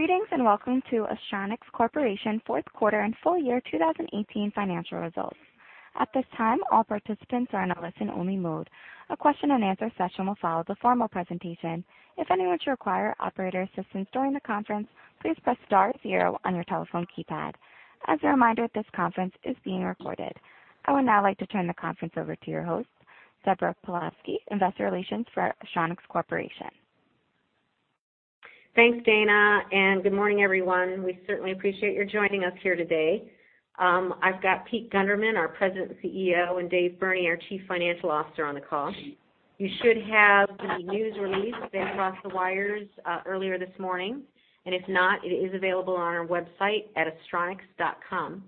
Greetings, and welcome to Astronics Corporation fourth quarter and full year 2018 financial results. At this time, all participants are in a listen-only mode. A question and answer session will follow the formal presentation. If anyone should require operator assistance during the conference, please press star zero on your telephone keypad. As a reminder, this conference is being recorded. I would now like to turn the conference over to your host, Deborah Pawlowski, investor relations for Astronics Corporation. Thanks, Dana, and good morning, everyone. We certainly appreciate you joining us here today. I've got Pete Gundermann, our president and CEO, and Dave Burney, our Chief Financial Officer, on the call. You should have the news release that crossed the wires earlier this morning, and if not, it is available on our website at astronics.com.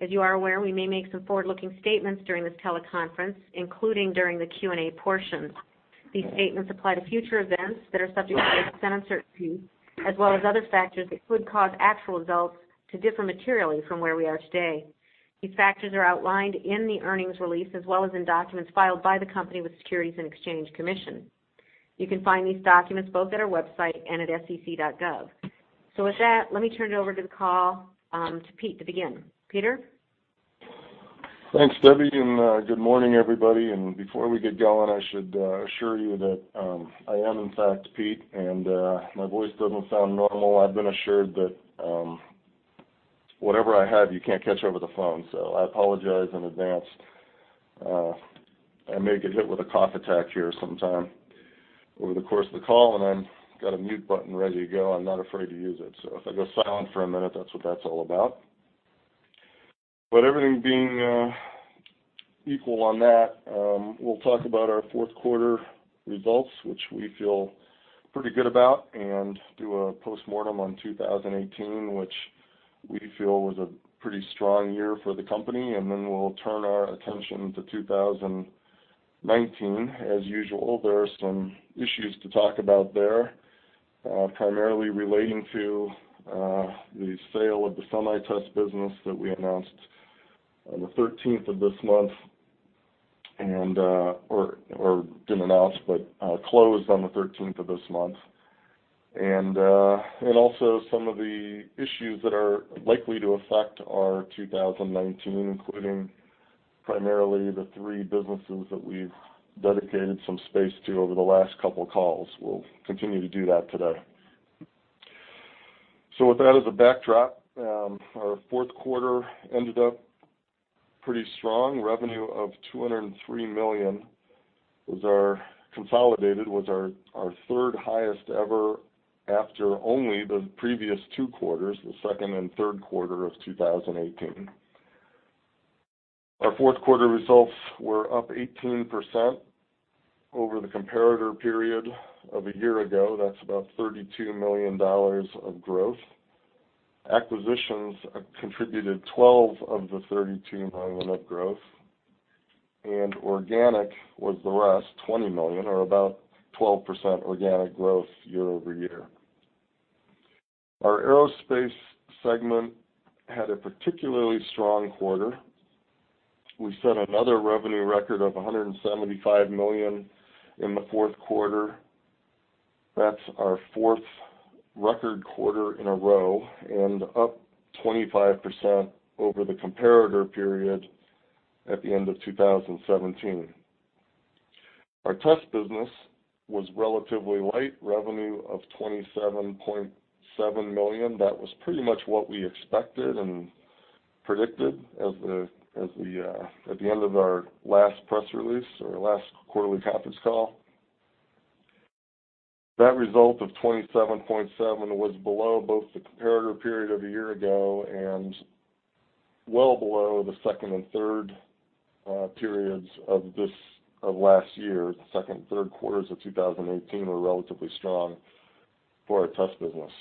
As you are aware, we may make some forward-looking statements during this teleconference, including during the Q&A portions. These statements apply to future events that are subject to a certain uncertainty, as well as other factors that could cause actual results to differ materially from where we are today. These factors are outlined in the earnings release as well as in documents filed by the company with Securities and Exchange Commission. You can find these documents both at our website and at sec.gov. With that, let me turn it over to the call to Pete to begin. Peter? Thanks, Debbie, and good morning, everybody. Before we get going, I should assure you that I am in fact Pete, and my voice doesn't sound normal. I've been assured that whatever I have, you can't catch over the phone, so I apologize in advance. I may get hit with a cough attack here sometime over the course of the call, and I've got a mute button ready to go. I'm not afraid to use it. If I go silent for a minute, that's what that's all about. But everything being equal on that, we'll talk about our fourth quarter results, which we feel pretty good about, and do a postmortem on 2018, which we feel was a pretty strong year for the company. Then we'll turn our attention to 2019. As usual, there are some issues to talk about there, primarily relating to the sale of the SemiTest business that we announced on the 13th of this month, or didn't announce, but closed on the 13th of this month. Also some of the issues that are likely to affect our 2019, including primarily the three businesses that we've dedicated some space to over the last couple of calls. We'll continue to do that today. With that as a backdrop, our fourth quarter ended up pretty strong. Revenue of $203 million consolidated was our third highest ever after only the previous two quarters, the second and third quarter of 2018. Our fourth quarter results were up 18% over the comparator period of a year ago. That's about $32 million of growth. Acquisitions contributed 12 of the $32 million of growth, organic was the rest, $20 million, or about 12% organic growth year-over-year. Our aerospace segment had a particularly strong quarter. We set another revenue record of $175 million in the fourth quarter. That's our fourth record quarter in a row and up 25% over the comparator period at the end of 2017. Our test business was relatively light, revenue of $27.7 million. That was pretty much what we expected and predicted at the end of our last press release or last quarterly conference call. That result of 27.7 was below both the comparator period of a year ago and well below the second and third periods of last year. The second and third quarters of 2018 were relatively strong for our test business.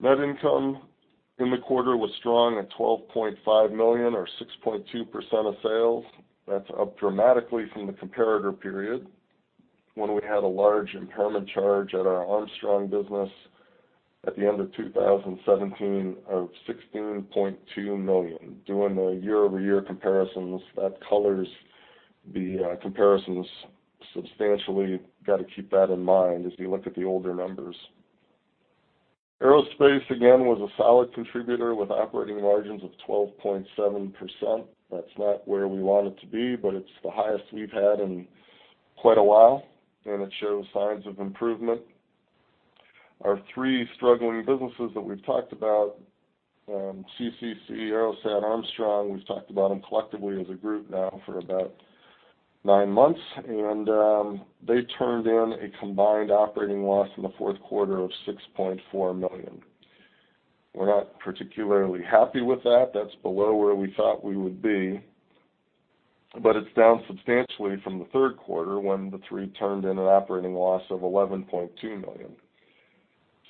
Net income in the quarter was strong at $12.5 million or 6.2% of sales. That's up dramatically from the comparator period when we had a large impairment charge at our Armstrong business at the end of 2017 of $16.2 million. Doing the year-over-year comparisons, that colors the comparisons substantially. Got to keep that in mind as you look at the older numbers. Aerospace, again, was a solid contributor with operating margins of 12.7%. That's not where we want it to be, but it's the highest we've had in quite a while, and it shows signs of improvement. Our three struggling businesses that we've talked about, CCC, AeroSat, Armstrong, we've talked about them collectively as a group now for about nine months, they turned in a combined operating loss in the fourth quarter of $6.4 million. We're not particularly happy with that. That's below where we thought we would be. It's down substantially from the third quarter when the three turned in an operating loss of $11.2 million.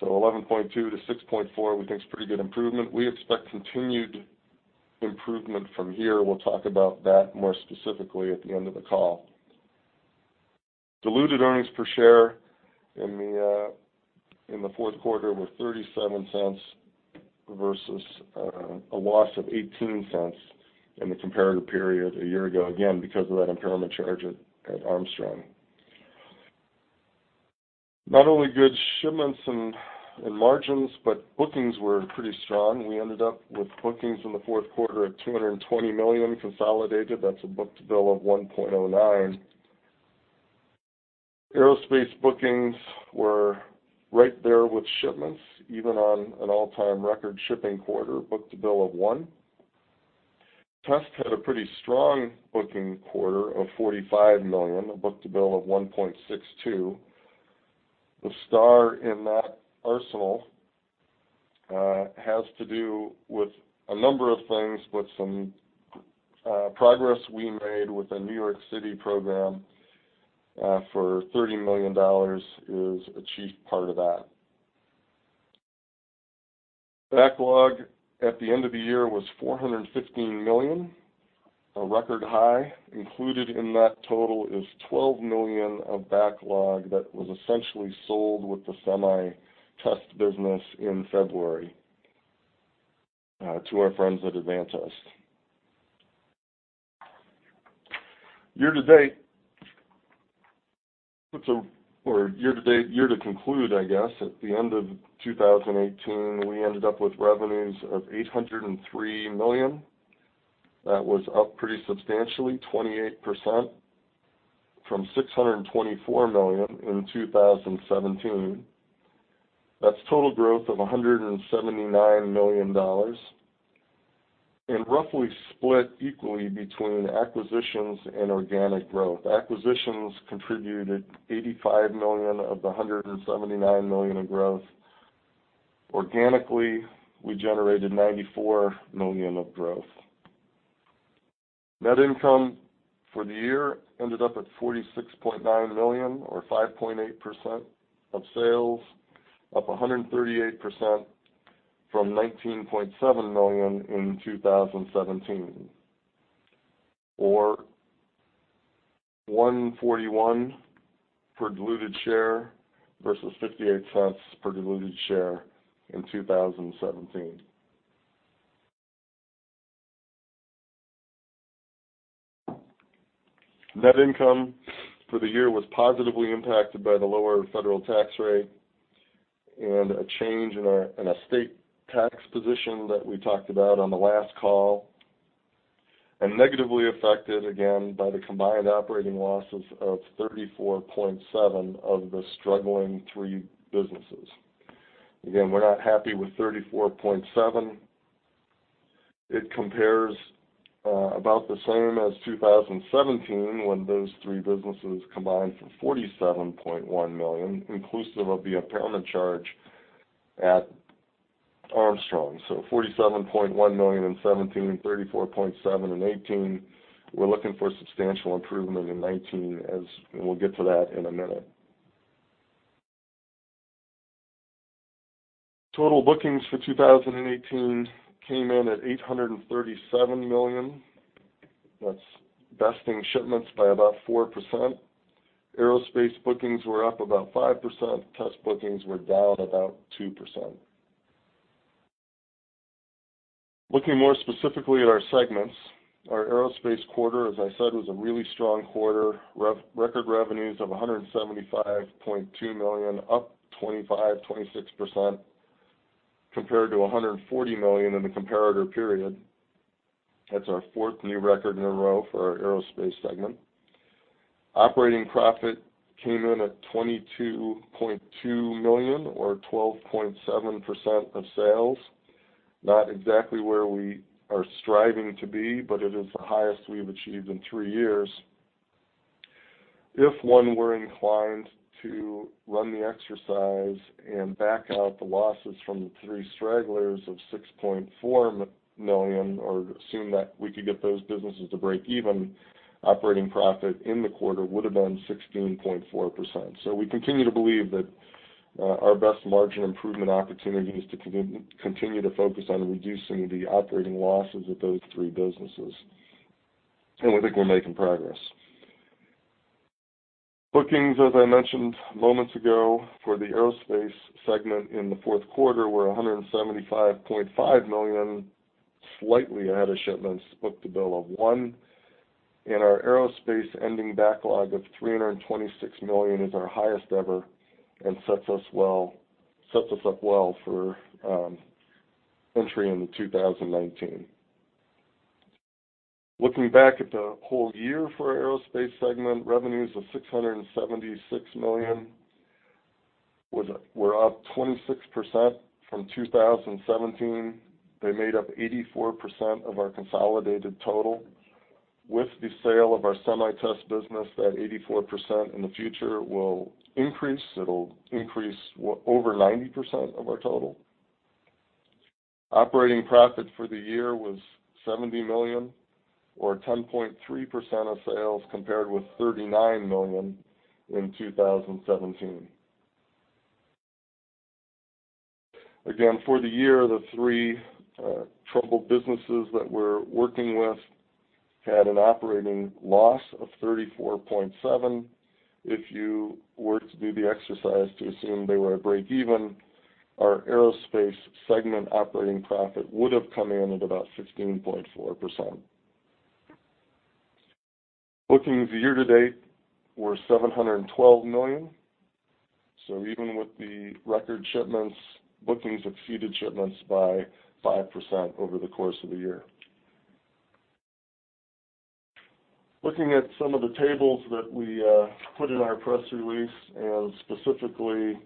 11.2 to 6.4 we think is pretty good improvement. We expect continued improvement from here. We'll talk about that more specifically at the end of the call. Diluted earnings per share in the fourth quarter were $0.37 versus a loss of $0.18 in the comparative period a year ago, again, because of that impairment charge at Armstrong. Not only good shipments and margins, but bookings were pretty strong. We ended up with bookings in the fourth quarter of $220 million consolidated. That's a book-to-bill of 1.09. Aerospace bookings were right there with shipments, even on an all-time record shipping quarter, book-to-bill of 1. Test had a pretty strong booking quarter of $45 million, a book-to-bill of 1.62. The star in that arsenal has to do with a number of things, but some progress we made with the New York City program for $30 million is a chief part of that. Backlog at the end of the year was $415 million, a record high. Included in that total is $12 million of backlog that was essentially sold with the semi test business in February to our friends at Advantest. Year-to-date, or year to conclude, I guess, at the end of 2018, we ended up with revenues of $803 million. That's up pretty substantially, 28%, from $624 million in 2017. That's total growth of $179 million, roughly split equally between acquisitions and organic growth. Acquisitions contributed $85 million of the $179 million of growth. Organically, we generated $94 million of growth. Net income for the year ended up at $46.9 million, or 5.8% of sales, up 138% from $19.7 million in 2017, or $1.41 per diluted share versus $0.58 per diluted share in 2017. Net income for the year was positively impacted by the lower federal tax rate and a change in our state tax position that we talked about on the last call, negatively affected again by the combined operating losses of $34.7 million of the struggling three businesses. Again, we're not happy with $34.7 million. It compares about the same as 2017 when those three businesses combined for $47.1 million, inclusive of the impairment charge at Armstrong. $47.1 million in 2017, $34.7 million in 2018. We're looking for substantial improvement in 2019, we'll get to that in a minute. Total bookings for 2018 came in at $837 million. That's besting shipments by about 4%. Aerospace bookings were up about 5%. Test bookings were down about 2%. Looking more specifically at our segments, our aerospace quarter, as I said, was a really strong quarter. Record revenues of $175.2 million, up 25%-26%, compared to $140 million in the comparator period. That's our fourth new record in a row for our aerospace segment. Operating profit came in at $22.2 million, or 12.7% of sales. Not exactly where we are striving to be, but it is the highest we've achieved in three years. If one were inclined to run the exercise and back out the losses from the three stragglers of $6.4 million, or assume that we could get those businesses to break even, operating profit in the quarter would have been 16.4%. We continue to believe that our best margin improvement opportunity is to continue to focus on reducing the operating losses of those three businesses, we think we're making progress. Bookings, as I mentioned moments ago, for the aerospace segment in the fourth quarter were $175.5 million, slightly ahead of shipments, book-to-bill of 1. Our aerospace ending backlog of $326 million is our highest ever and sets us up well for entry into 2019. Looking back at the whole year for our aerospace segment, revenues of $676 million were up 26% from 2017. They made up 84% of our consolidated total. With the sale of our semi test business, that 84% in the future will increase. It'll increase over 90% of our total. Operating profit for the year was $70 million or 10.3% of sales, compared with $39 million in 2017. For the year, the three troubled businesses that we're working with had an operating loss of $34.7 million. If you were to do the exercise to assume they were at breakeven, our aerospace segment operating profit would have come in at about 16.4%. Bookings year-to-date were $712 million. Even with the record shipments, bookings exceeded shipments by 5% over the course of the year. Looking at some of the tables that we put in our press release, and specifically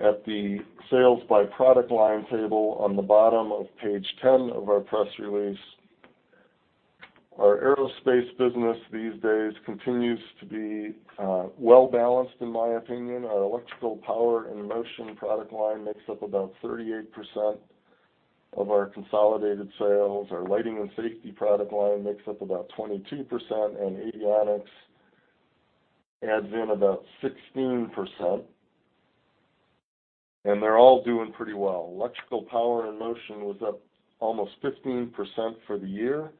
at the sales by product line table on the bottom of page 10 of our press release. Our aerospace business these days continues to be well-balanced, in my opinion. Our Electrical Power & Motion product line makes up about 38% of our consolidated sales. Our lighting and safety product line makes up about 22%, and avionics adds in about 16%. They're all doing pretty well. Electrical Power & Motion was up almost 15% for the year,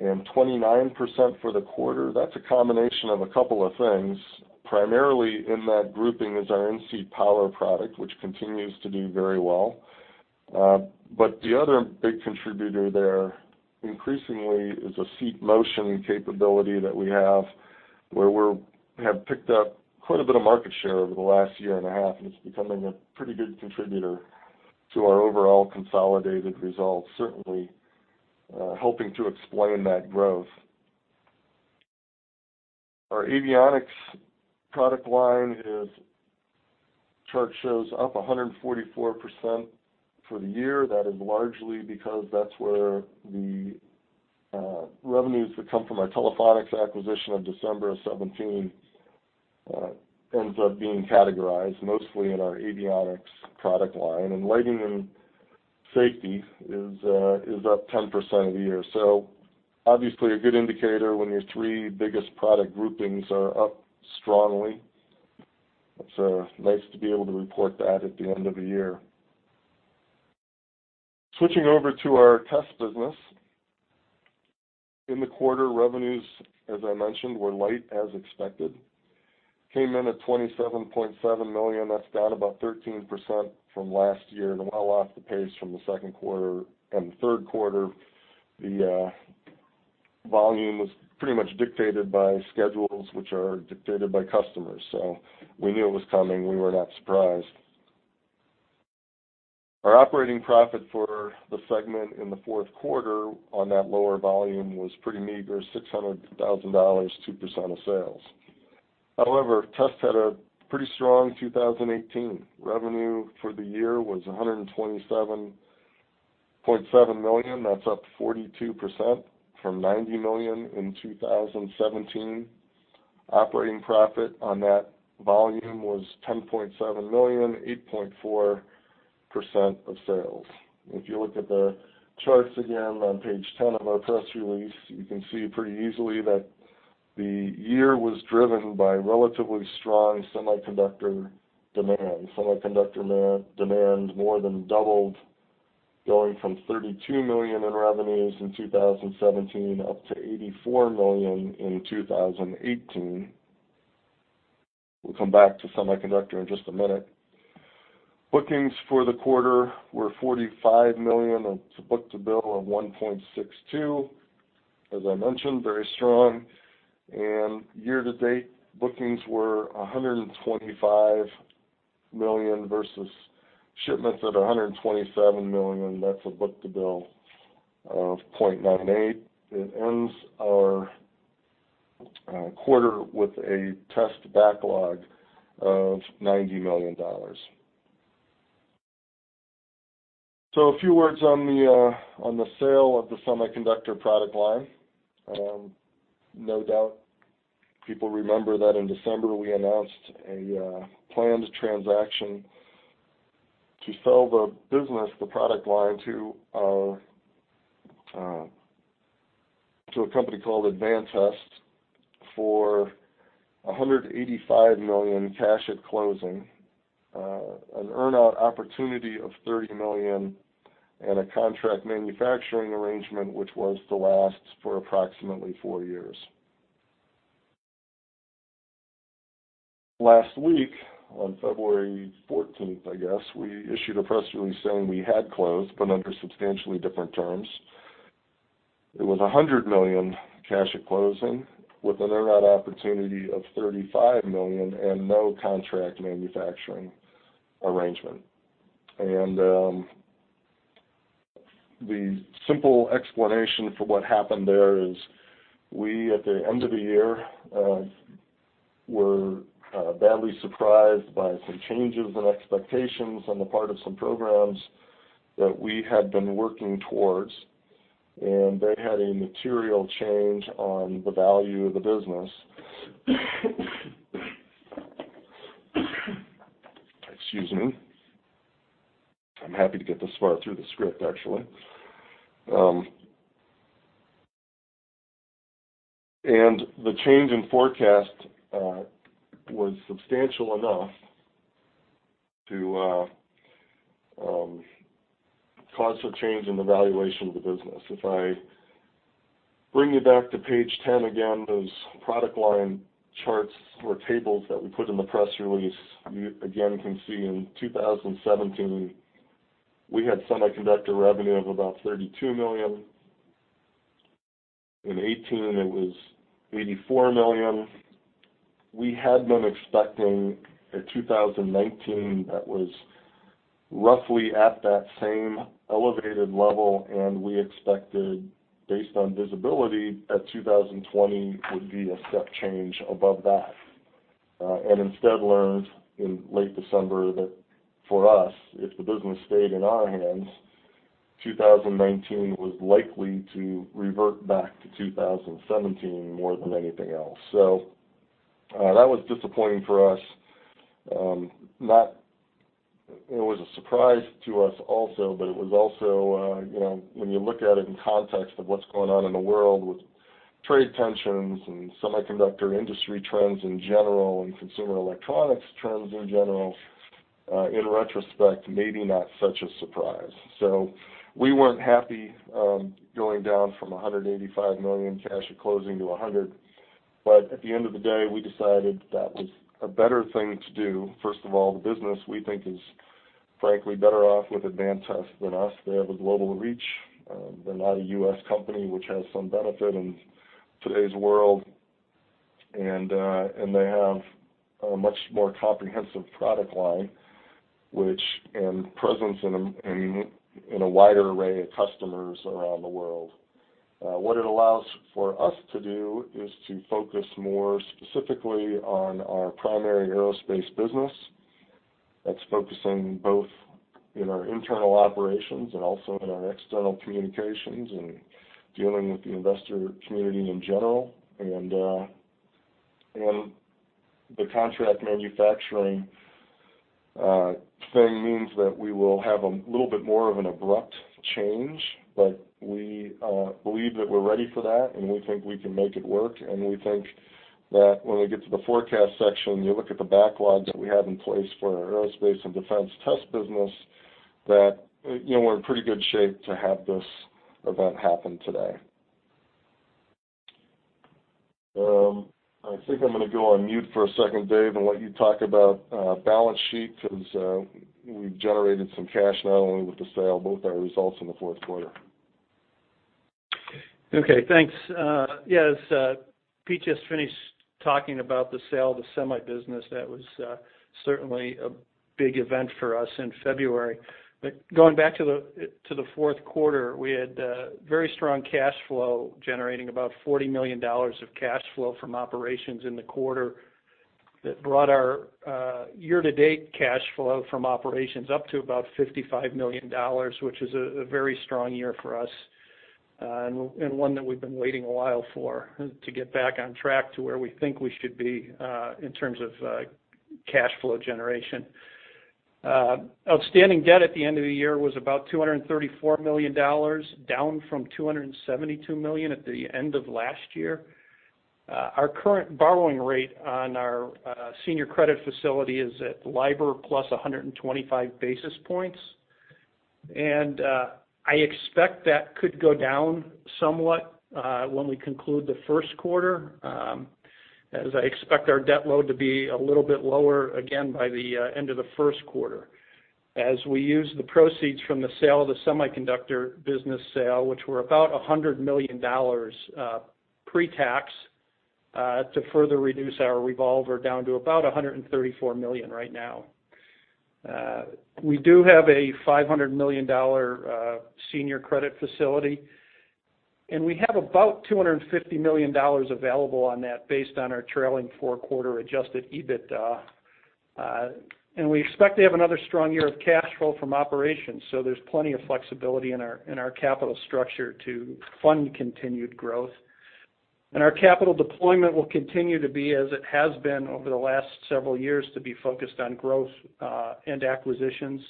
and 29% for the quarter. That's a combination of a couple of things. Primarily in that grouping is our in-seat power product, which continues to do very well. The other big contributor there increasingly is a seat motion capability that we have, where we have picked up quite a bit of market share over the last year and a half, and it's becoming a pretty good contributor to our overall consolidated results, certainly helping to explain that growth. Our avionics product line chart shows up 144% for the year. That is largely because that's where the revenues that come from our Telefonix acquisition of December of 2017 ends up being categorized, mostly in our avionics product line. Lighting and safety is up 10% year-over-year. Obviously, a good indicator when your three biggest product groupings are up strongly. It's nice to be able to report that at the end of the year. Switching over to our Test business. In the quarter, revenues, as I mentioned, were light as expected. Came in at $27.7 million. That's down about 13% from last year and well off the pace from the second quarter and the third quarter. The volume was pretty much dictated by schedules, which are dictated by customers. We knew it was coming. We were not surprised. Our operating profit for the segment in the fourth quarter on that lower volume was pretty meager, $600,000, 2% of sales. Test had a pretty strong 2018. Revenue for the year was $127.7 million. That's up 42% from $90 million in 2017. Operating profit on that volume was $10.7 million, 8.4% of sales. If you look at the charts again on page 10 of our press release, you can see pretty easily that the year was driven by relatively strong Semiconductor demand. Semiconductor demand more than doubled, going from $32 million in revenues in 2017 up to $84 million in 2018. We'll come back to Semiconductor in just a minute. Bookings for the quarter were $45 million. That's a book-to-bill of 1.62. Very strong. Year-to-date bookings were $125 million versus shipments at $127 million. That's a book-to-bill of 0.98. It ends our quarter with a Test backlog of $90 million. A few words on the sale of the Semiconductor Test product line. No doubt people remember that in December, we announced a planned transaction to sell the business, the product line, to a company called Advantest for $185 million cash at closing, an earn-out opportunity of $30 million, and a contract manufacturing arrangement, which was to last for approximately four years. Last week, on February 14th, I guess, we issued a press release saying we had closed, but under substantially different terms. It was $100 million cash at closing with an earn-out opportunity of $35 million and no contract manufacturing arrangement. The simple explanation for what happened there is we, at the end of the year, were badly surprised by some changes in expectations on the part of some programs that we had been working towards. That had a material change on the value of the business. Excuse me. I'm happy to get this far through the script, actually. The change in forecast was substantial enough to cause a change in the valuation of the business. If I bring you back to page 10 again, those product line charts or tables that we put in the press release, you again can see in 2017, we had Semiconductor Test revenue of about $32 million. In 2018, it was $84 million. We had been expecting a 2019 that was roughly at that same elevated level, and we expected, based on visibility, that 2020 would be a step change above that. Instead learned in late December that for us, if the business stayed in our hands, 2019 was likely to revert back to 2017 more than anything else. That was disappointing for us. It was a surprise to us also, but it was also, when you look at it in context of what's going on in the world with trade tensions and semiconductor industry trends in general, and consumer electronics trends in general, in retrospect, maybe not such a surprise. We weren't happy going down from $185 million cash at closing to $100 million, but at the end of the day, we decided that was a better thing to do. First of all, the business, we think, is frankly better off with Advantest than us. They have a global reach. They're not a U.S. company, which has some benefit in today's world, and they have a much more comprehensive product line and presence in a wider array of customers around the world. What it allows for us to do is to focus more specifically on our primary aerospace business. That's focusing both in our internal operations and also in our external communications and dealing with the investor community in general. The contract manufacturing thing means that we will have a little bit more of an abrupt change, but we believe that we're ready for that, and we think we can make it work. We think that when we get to the forecast section, you look at the backlog that we have in place for our aerospace and defense test business, that we're in pretty good shape to have this event happen today. I think I'm going to go on mute for a second, Dave, and let you talk about balance sheet, since we've generated some cash, not only with the sale, but with our results in the fourth quarter. Okay, thanks. Yes, Pete just finished talking about the sale of the semi business. That was certainly a big event for us in February. Going back to the fourth quarter, we had very strong cash flow, generating about $40 million of cash flow from operations in the quarter. That brought our year-to-date cash flow from operations up to about $55 million, which is a very strong year for us, and one that we've been waiting a while for, to get back on track to where we think we should be, in terms of cash flow generation. Outstanding debt at the end of the year was about $234 million, down from $272 million at the end of last year. Our current borrowing rate on our senior credit facility is at LIBOR plus 125 basis points. I expect that could go down somewhat when we conclude the first quarter, as I expect our debt load to be a little bit lower, again, by the end of the first quarter, as we use the proceeds from the sale of the semiconductor business sale, which were about $100 million pre-tax, to further reduce our revolver down to about $134 million right now. We do have a $500 million senior credit facility, and we have about $250 million available on that based on our trailing four-quarter adjusted EBITDA. We expect to have another strong year of cash flow from operations. There's plenty of flexibility in our capital structure to fund continued growth. Our capital deployment will continue to be, as it has been over the last several years, to be focused on growth and acquisitions.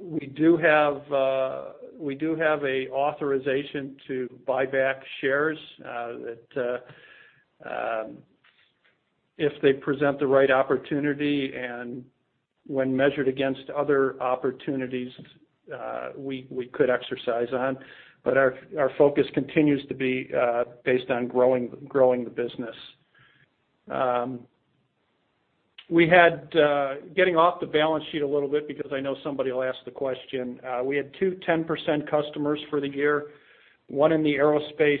We do have an authorization to buy back shares that if they present the right opportunity, and when measured against other opportunities, we could exercise on. Our focus continues to be based on growing the business. Getting off the balance sheet a little bit, because I know somebody will ask the question. We had two 10% customers for the year, one in the aerospace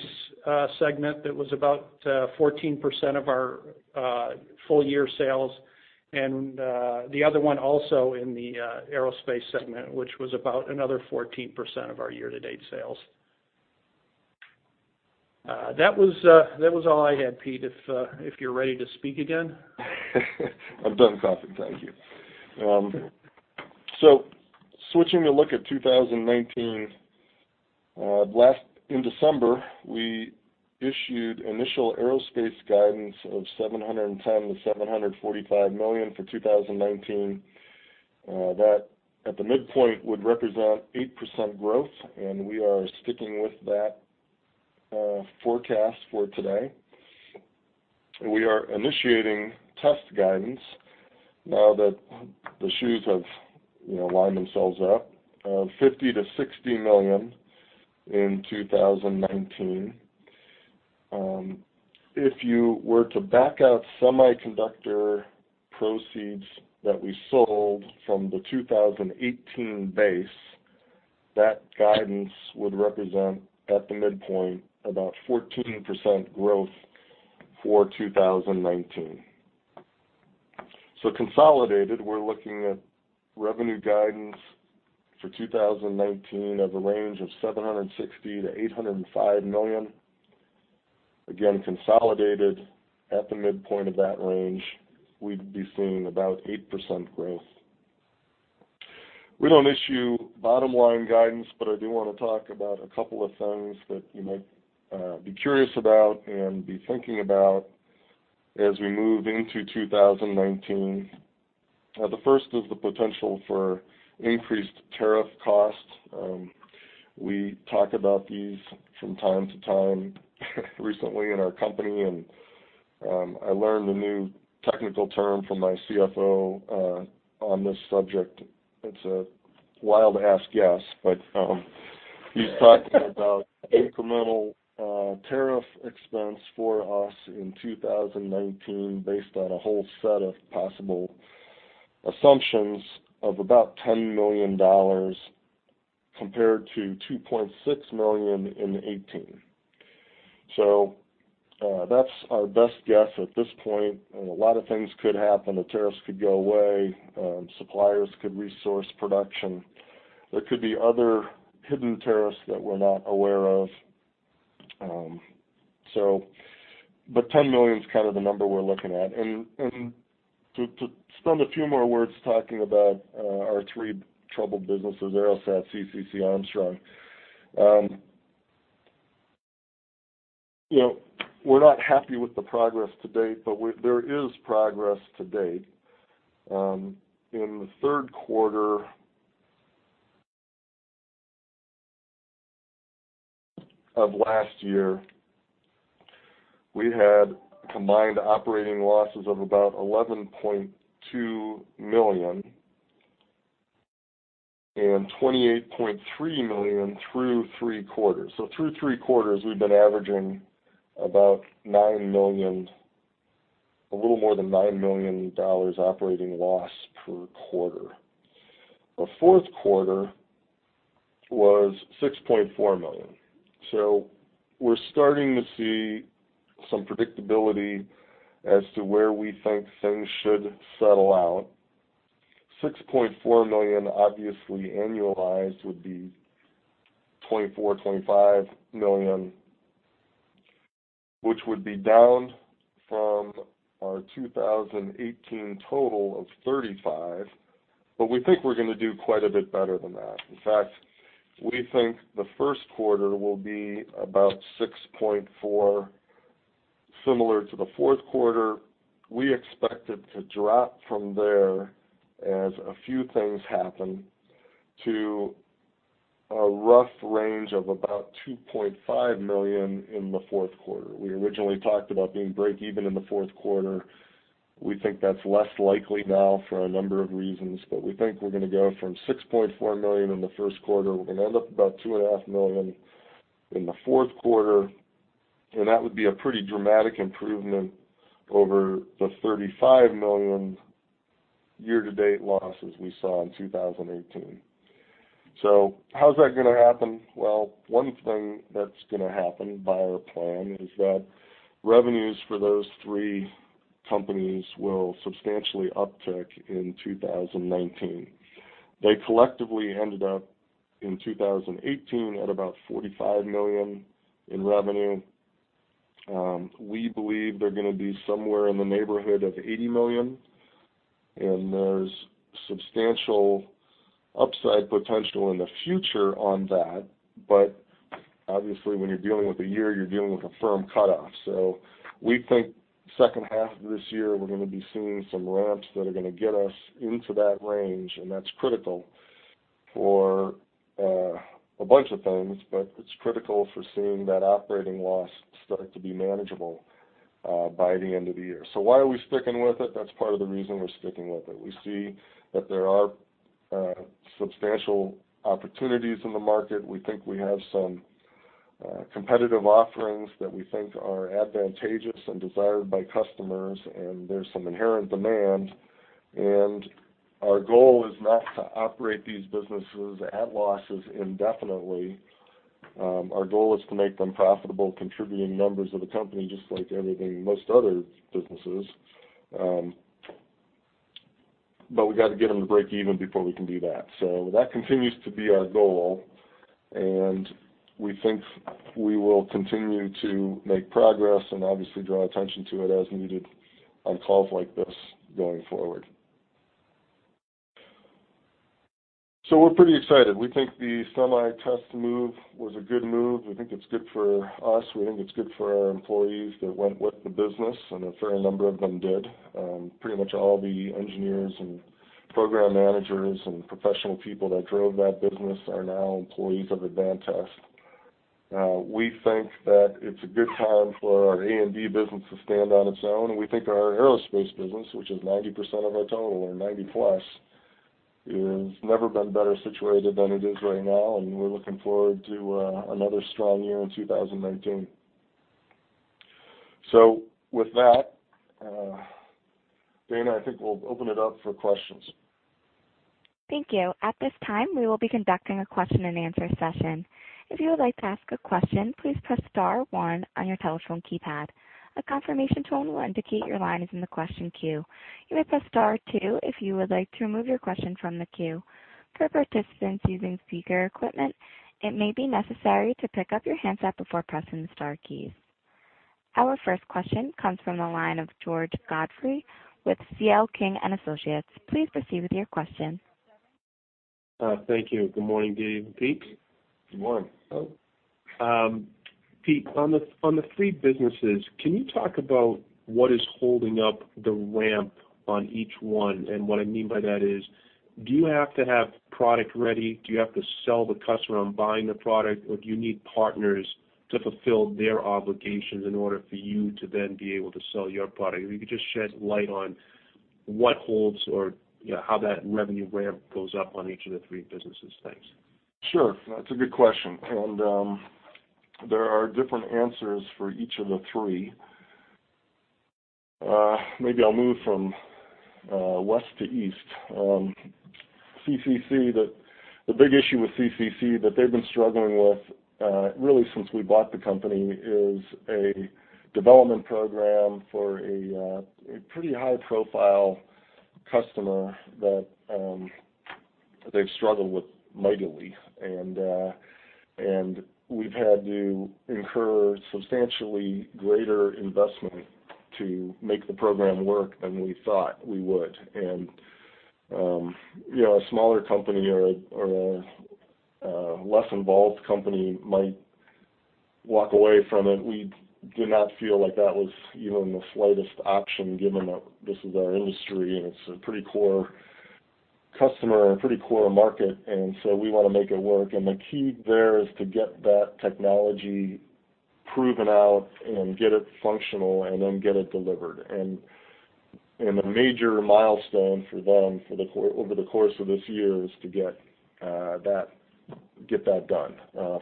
segment that was about 14% of our full year sales, and the other one also in the aerospace segment, which was about another 14% of our year-to-date sales. That was all I had, Pete, if you're ready to speak again. I'm done talking. Thank you. Switching to look at 2019, in December, we issued initial aerospace guidance of $710 million-$745 million for 2019. That at the midpoint would represent 8% growth. We are sticking with that forecast for today. We are initiating test guidance now that the shoes have lined themselves up, $50 million-$60 million in 2019. If you were to back out semiconductor proceeds that we sold from the 2018 base, that guidance would represent, at the midpoint, about 14% growth for 2019. Consolidated, we're looking at revenue guidance for 2019 of a range of $760 million-$805 million. Again, consolidated at the midpoint of that range, we'd be seeing about 8% growth. We don't issue bottom-line guidance. I do want to talk about a couple of things that you might be curious about and be thinking about as we move into 2019. The first is the potential for increased tariff costs. We talk about these from time to time, recently in our company, and I learned a new technical term from my CFO on this subject. It's a wild-ass guess, but he's talking about incremental tariff expense for us in 2019 based on a whole set of possible assumptions of about $10 million, compared to $2.6 million in 2018. That's our best guess at this point. A lot of things could happen. The tariffs could go away. Suppliers could resource production. There could be other hidden tariffs that we're not aware of. $10 million is kind of the number we're looking at. To spend a few more words talking about our three troubled businesses, AeroSat, CCC, Armstrong. We're not happy with the progress to date, but there is progress to date. In the third quarter of last year, we had combined operating losses of about $11.2 million and $28.3 million through three quarters. Through three quarters, we've been averaging a little more than $9 million operating loss per quarter. The fourth quarter was $6.4 million. We're starting to see some predictability as to where we think things should settle out. $6.4 million, obviously, annualized would be $24 million-$25 million, which would be down from our 2018 total of $35 million. We think we're going to do quite a bit better than that. In fact, we think the first quarter will be about $6.4 million, similar to the fourth quarter. We expect it to drop from there as a few things happen to a rough range of about $2.5 million in the fourth quarter. We originally talked about being breakeven in the fourth quarter. We think that's less likely now for a number of reasons. We think we're going to go from $6.4 million in the first quarter. We're going to end up about $2.5 million in the fourth quarter. That would be a pretty dramatic improvement over the $35 million year-to-date losses we saw in 2018. How's that going to happen? One thing that's going to happen by our plan is that revenues for those three companies will substantially uptick in 2019. They collectively ended up in 2018 at about $45 million in revenue. We believe they're going to be somewhere in the neighborhood of $80 million. There's substantial upside potential in the future on that. Obviously, when you're dealing with a year, you're dealing with a firm cut-off. We think second half of this year, we're going to be seeing some ramps that are going to get us into that range. That's critical for a bunch of things. It's critical for seeing that operating loss start to be manageable by the end of the year. Why are we sticking with it? That's part of the reason we're sticking with it. We see that there are substantial opportunities in the market. We think we have some competitive offerings that we think are advantageous and desired by customers. There's some inherent demand. Our goal is not to operate these businesses at losses indefinitely. Our goal is to make them profitable, contributing members of the company, just like most other businesses. We got to get them to break even before we can do that. That continues to be our goal, and we think we will continue to make progress and obviously draw attention to it as needed on calls like this going forward. We're pretty excited. We think the Semi Test move was a good move. We think it's good for us. We think it's good for our employees that went with the business, and a fair number of them did. Pretty much all the engineers and program managers and professional people that drove that business are now employees of Advantest. We think that it's a good time for our A&D business to stand on its own, and we think our aerospace business, which is 90% of our total, or 90+, has never been better situated than it is right now. We're looking forward to another strong year in 2019. With that, Dana, I think we'll open it up for questions. Thank you. At this time, we will be conducting a question and answer session. If you would like to ask a question, please press star one on your telephone keypad. A confirmation tone will indicate your line is in the question queue. You may press star two if you would like to remove your question from the queue. For participants using speaker equipment, it may be necessary to pick up your handset before pressing the star keys. Our first question comes from the line of George Godfrey with C.L. King & Associates. Please proceed with your question. Thank you. Good morning, Dave and Pete. Good morning. Pete, on the three businesses, can you talk about what is holding up the ramp on each one? What I mean by that is, do you have to have product ready? Do you have to sell the customer on buying the product, or do you need partners to fulfill their obligations in order for you to then be able to sell your product? If you could just shed light on what holds or how that revenue ramp goes up on each of the three businesses. Thanks. Sure. That's a good question. There are different answers for each of the three. Maybe I'll move from west to east. CCC, the big issue with CCC that they've been struggling with, really since we bought the company, is a development program for a pretty high-profile customer that they've struggled with mightily. We've had to incur substantially greater investment to make the program work than we thought we would. A smaller company or a less involved company might walk away from it. We did not feel like that was even the slightest option, given that this is our industry, and it's a pretty core customer and pretty core market, so we want to make it work. The key there is to get that technology proven out and get it functional, and then get it delivered. A major milestone for them over the course of this year is to get that done.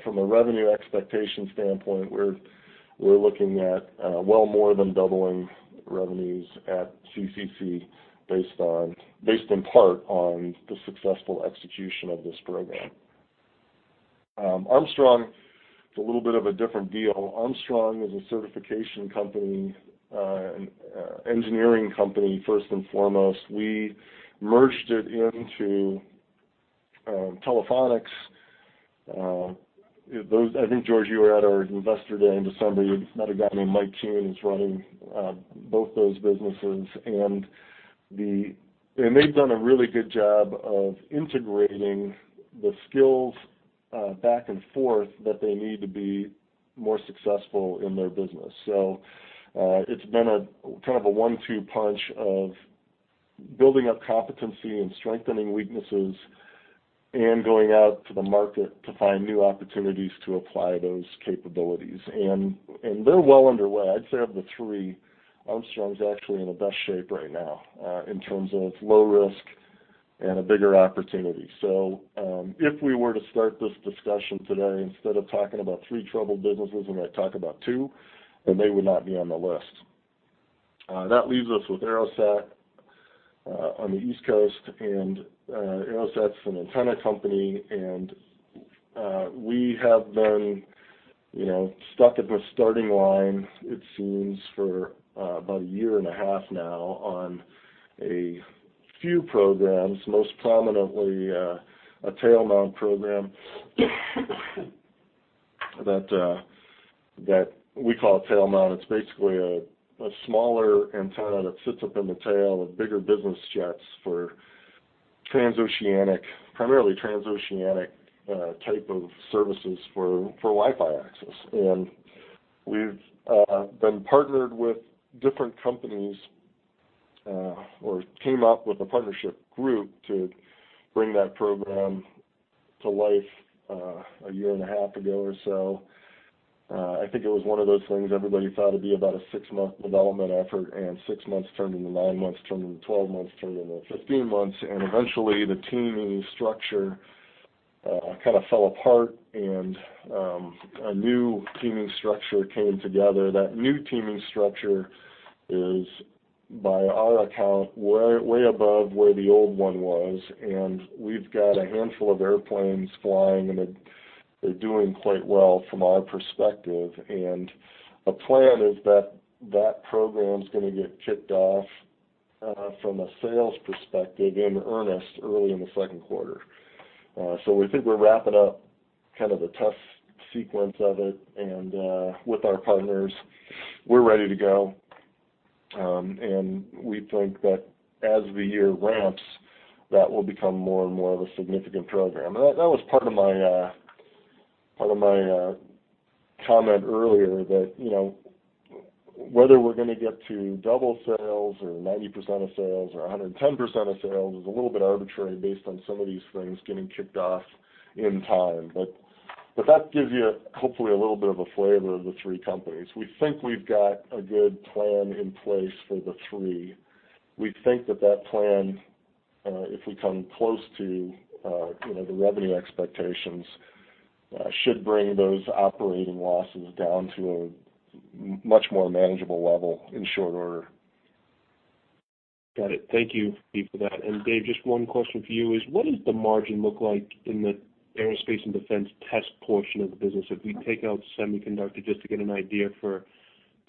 From a revenue expectation standpoint, we're looking at well more than doubling revenues at CCC based in part on the successful execution of this program. Armstrong, it's a little bit of a different deal. Armstrong is a certification company, engineering company, first and foremost. We merged it into Telefonix. I think, George, you were at our investor day in December. You'd have met a guy named Mike Kuhn, who's running both those businesses. They've done a really good job of integrating the skills back and forth that they need to be more successful in their business. It's been kind of a one-two punch of building up competency and strengthening weaknesses and going out to the market to find new opportunities to apply those capabilities. They're well underway. I'd say of the three, Armstrong's actually in the best shape right now in terms of low risk and a bigger opportunity. If we were to start this discussion today, instead of talking about three troubled businesses, we might talk about two, and they would not be on the list. That leaves us with AeroSat on the East Coast. AeroSat's an antenna company, we have been stuck at the starting line, it seems, for about a year and a half now on a few programs, most prominently a tail-mount program that we call tail-mount. It's basically a smaller antenna that sits up in the tail of bigger business jets for transoceanic, primarily transoceanic type of services for Wi-Fi access. We've been partnered with different companies, or came up with a partnership group to bring that program to life a year and a half ago or so. I think it was one of those things everybody thought it'd be about a six-month development effort, and six months turned into nine months, turned into 12 months, turned into 15 months. Eventually the teaming structure kind of fell apart, a new teaming structure came together. That new teaming structure is, by our account, way above where the old one was, we've got a handful of airplanes flying, and they're doing quite well from our perspective. The plan is that that program's going to get kicked off from a sales perspective in earnest early in the second quarter. We think we're wrapping up kind of the test sequence of it and with our partners, we're ready to go. We think that as the year ramps, that will become more and more of a significant program. That was part of my comment earlier that, whether we're going to get to double sales or 90% of sales or 110% of sales is a little bit arbitrary based on some of these things getting kicked off in time. That gives you, hopefully, a little bit of a flavor of the three companies. We think we've got a good plan in place for the three. We think that that plan, if we come close to the revenue expectations, should bring those operating losses down to a much more manageable level in short order. Got it. Thank you, Pete, for that. Dave, just one question for you is, what does the margin look like in the aerospace and defense test portion of the business if we take out semiconductor, just to get an idea for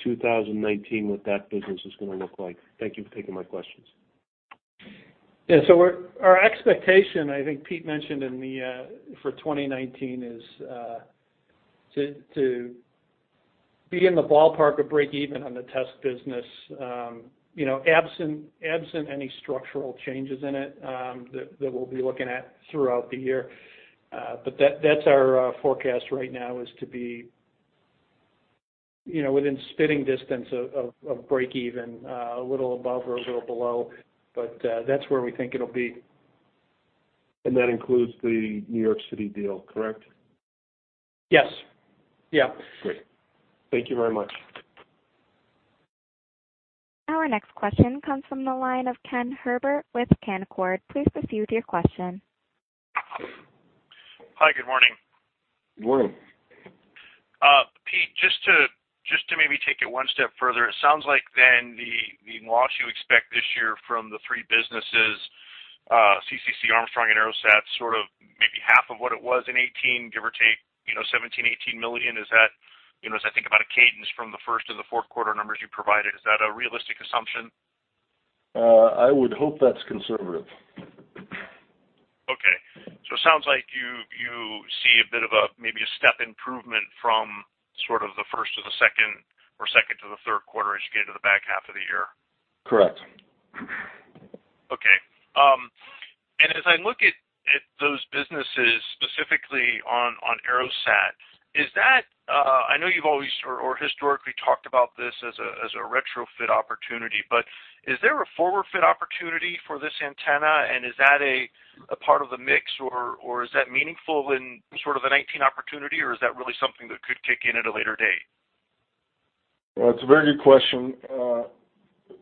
2019, what that business is going to look like? Thank you for taking my questions. Yeah. Our expectation, I think Pete mentioned, for 2019, is to be in the ballpark of breakeven on the test business, absent any structural changes in it that we'll be looking at throughout the year. That's our forecast right now is to be within spitting distance of breakeven, a little above or a little below. That's where we think it'll be. That includes the New York City deal, correct? Yes. Yeah. Great. Thank you very much. Our next question comes from the line of Ken Herbert with Canaccord. Please proceed with your question. Hi, good morning. Good morning. Pete, just to maybe take it one step further, it sounds like then the loss you expect this year from the three businesses, CCC, Armstrong, and AeroSat, sort of maybe half of what it was in 2018, give or take, $17 million, $18 million. As I think about a cadence from the first and the fourth quarter numbers you provided, is that a realistic assumption? I would hope that's conservative. Okay. It sounds like you see a bit of a, maybe a step improvement from sort of the first to the second or second to the third quarter as you get into the back half of the year. Correct. Okay. As I look at those businesses, specifically on AeroSat, I know you've always or historically talked about this as a retrofit opportunity, but is there a forward fit opportunity for this antenna and is that a part of the mix or is that meaningful in sort of the 2019 opportunity, or is that really something that could kick in at a later date? Well, it's a very good question.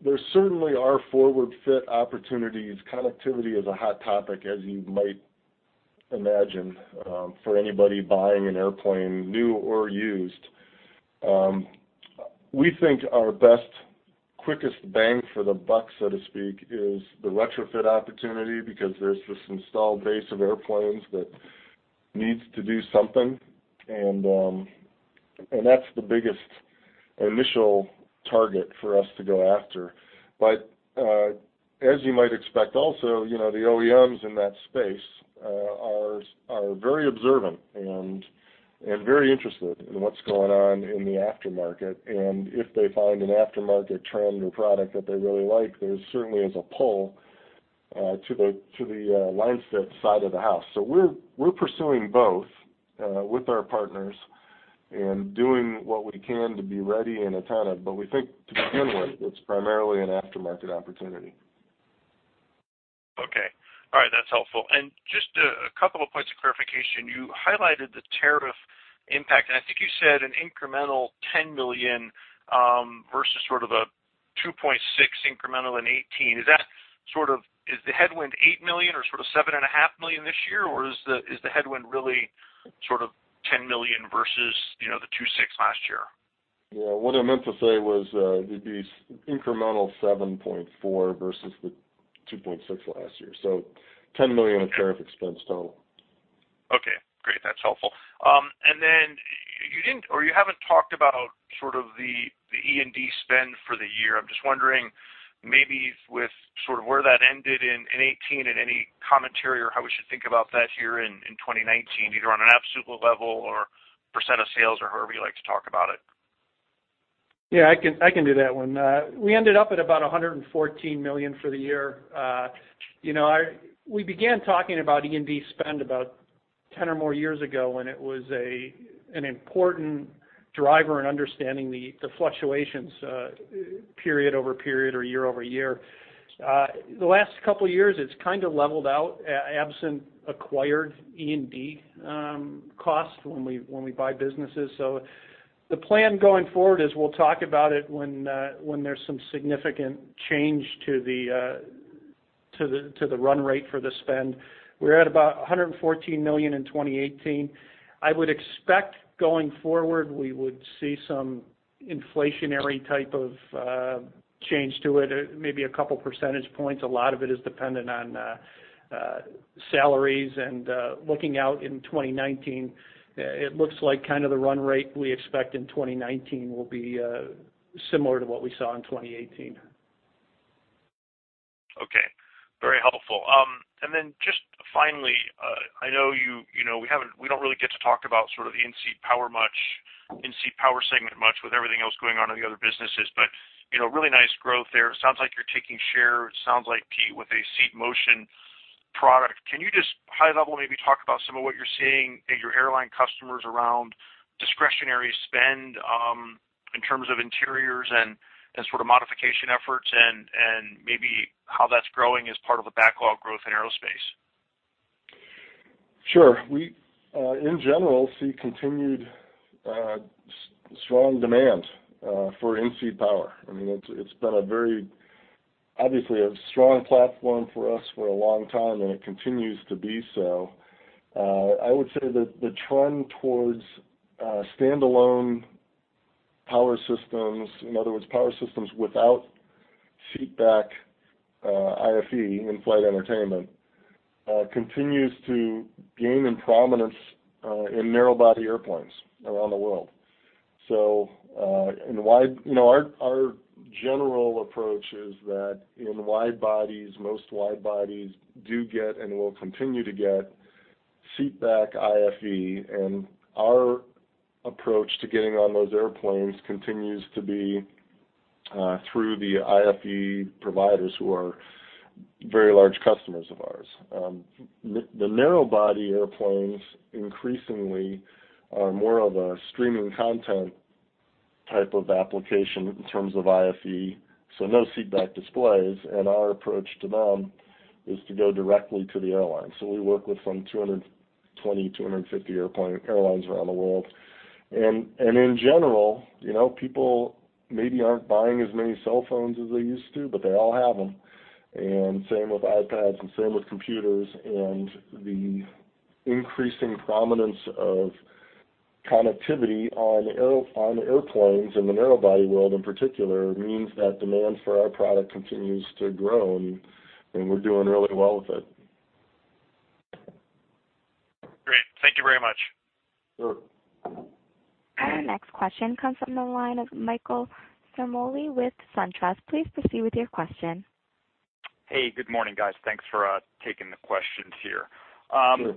There certainly are forward fit opportunities. Connectivity is a hot topic, as you might imagine, for anybody buying an airplane, new or used. We think our best, quickest bang for the buck, so to speak, is the retrofit opportunity because there's this installed base of airplanes that needs to do something. That's the biggest initial target for us to go after. As you might expect also, the OEMs in that space are very observant and very interested in what's going on in the aftermarket. If they find an aftermarket trend or product that they really like, there certainly is a pull to the line fit side of the house. We're pursuing both with our partners and doing what we can to be ready and attentive. We think to begin with, it's primarily an aftermarket opportunity. Okay. All right. That's helpful. Just a couple of points of clarification. You highlighted the tariff impact, and I think you said an incremental $10 million, versus sort of a $2.6 million incremental in 2018. Is the headwind $8 million or sort of $7.5 million this year, or is the headwind really sort of $10 million versus the $2.6 million last year? Yeah. What I meant to say was there'd be incremental $7.4 million versus the $2.6 million last year. $10 million in tariff expense total. Okay, great. That's helpful. Then you haven't talked about sort of the R&D spend for the year. I'm just wondering maybe with sort of where that ended in 2018 and any commentary or how we should think about that here in 2019, either on an absolute level or % of sales or however you'd like to talk about it. Yeah, I can do that one. We ended up at about $114 million for the year. We began talking about R&D spend about 10 or more years ago when it was an important driver in understanding the fluctuations, period over period or year-over-year. The last couple of years, it's kind of leveled out, absent acquired R&D costs when we buy businesses. The plan going forward is we'll talk about it when there's some significant change to the run rate for the spend. We're at about $114 million in 2018. I would expect going forward, we would see some inflationary type of change to it, maybe a couple percentage points. A lot of it is dependent on salaries. Looking out in 2019, it looks like kind of the run rate we expect in 2019 will be similar to what we saw in 2018. Okay. Very helpful. Just finally, I know we don't really get to talk about in-seat power segment much with everything else going on in the other businesses, but really nice growth there. Sounds like you're taking share. Sounds like, Pete, with a seat motion product. Can you just high-level maybe talk about some of what you're seeing in your airline customers around discretionary spend, in terms of interiors and sort of modification efforts and maybe how that's growing as part of the backlog growth in aerospace? Sure. We, in general, see continued strong demand for in-seat power. It's been obviously a very strong platform for us for a long time, and it continues to be so. I would say that the trend towards standalone power systems, in other words, power systems without seat back IFE, in-flight entertainment, continues to gain in prominence in narrow body airplanes around the world. Our general approach is that in wide bodies, most wide bodies do get and will continue to get seat back IFE. Our approach to getting on those airplanes continues to be through the IFE providers who are very large customers of ours. The narrow body airplanes increasingly are more of a streaming content type of application in terms of IFE, so no seat back displays. Our approach to them is to go directly to the airlines. We work with some 220, 250 airlines around the world. In general, people maybe aren't buying as many cell phones as they used to, but they all have them, and same with iPads and same with computers. The increasing prominence of connectivity on airplanes in the narrow body world in particular, means that demand for our product continues to grow, and we're doing really well with it. Great. Thank you very much. Sure. Our next question comes from the line of Michael Ciarmoli with SunTrust. Please proceed with your question. Hey, good morning, guys. Thanks for taking the questions here. Sure.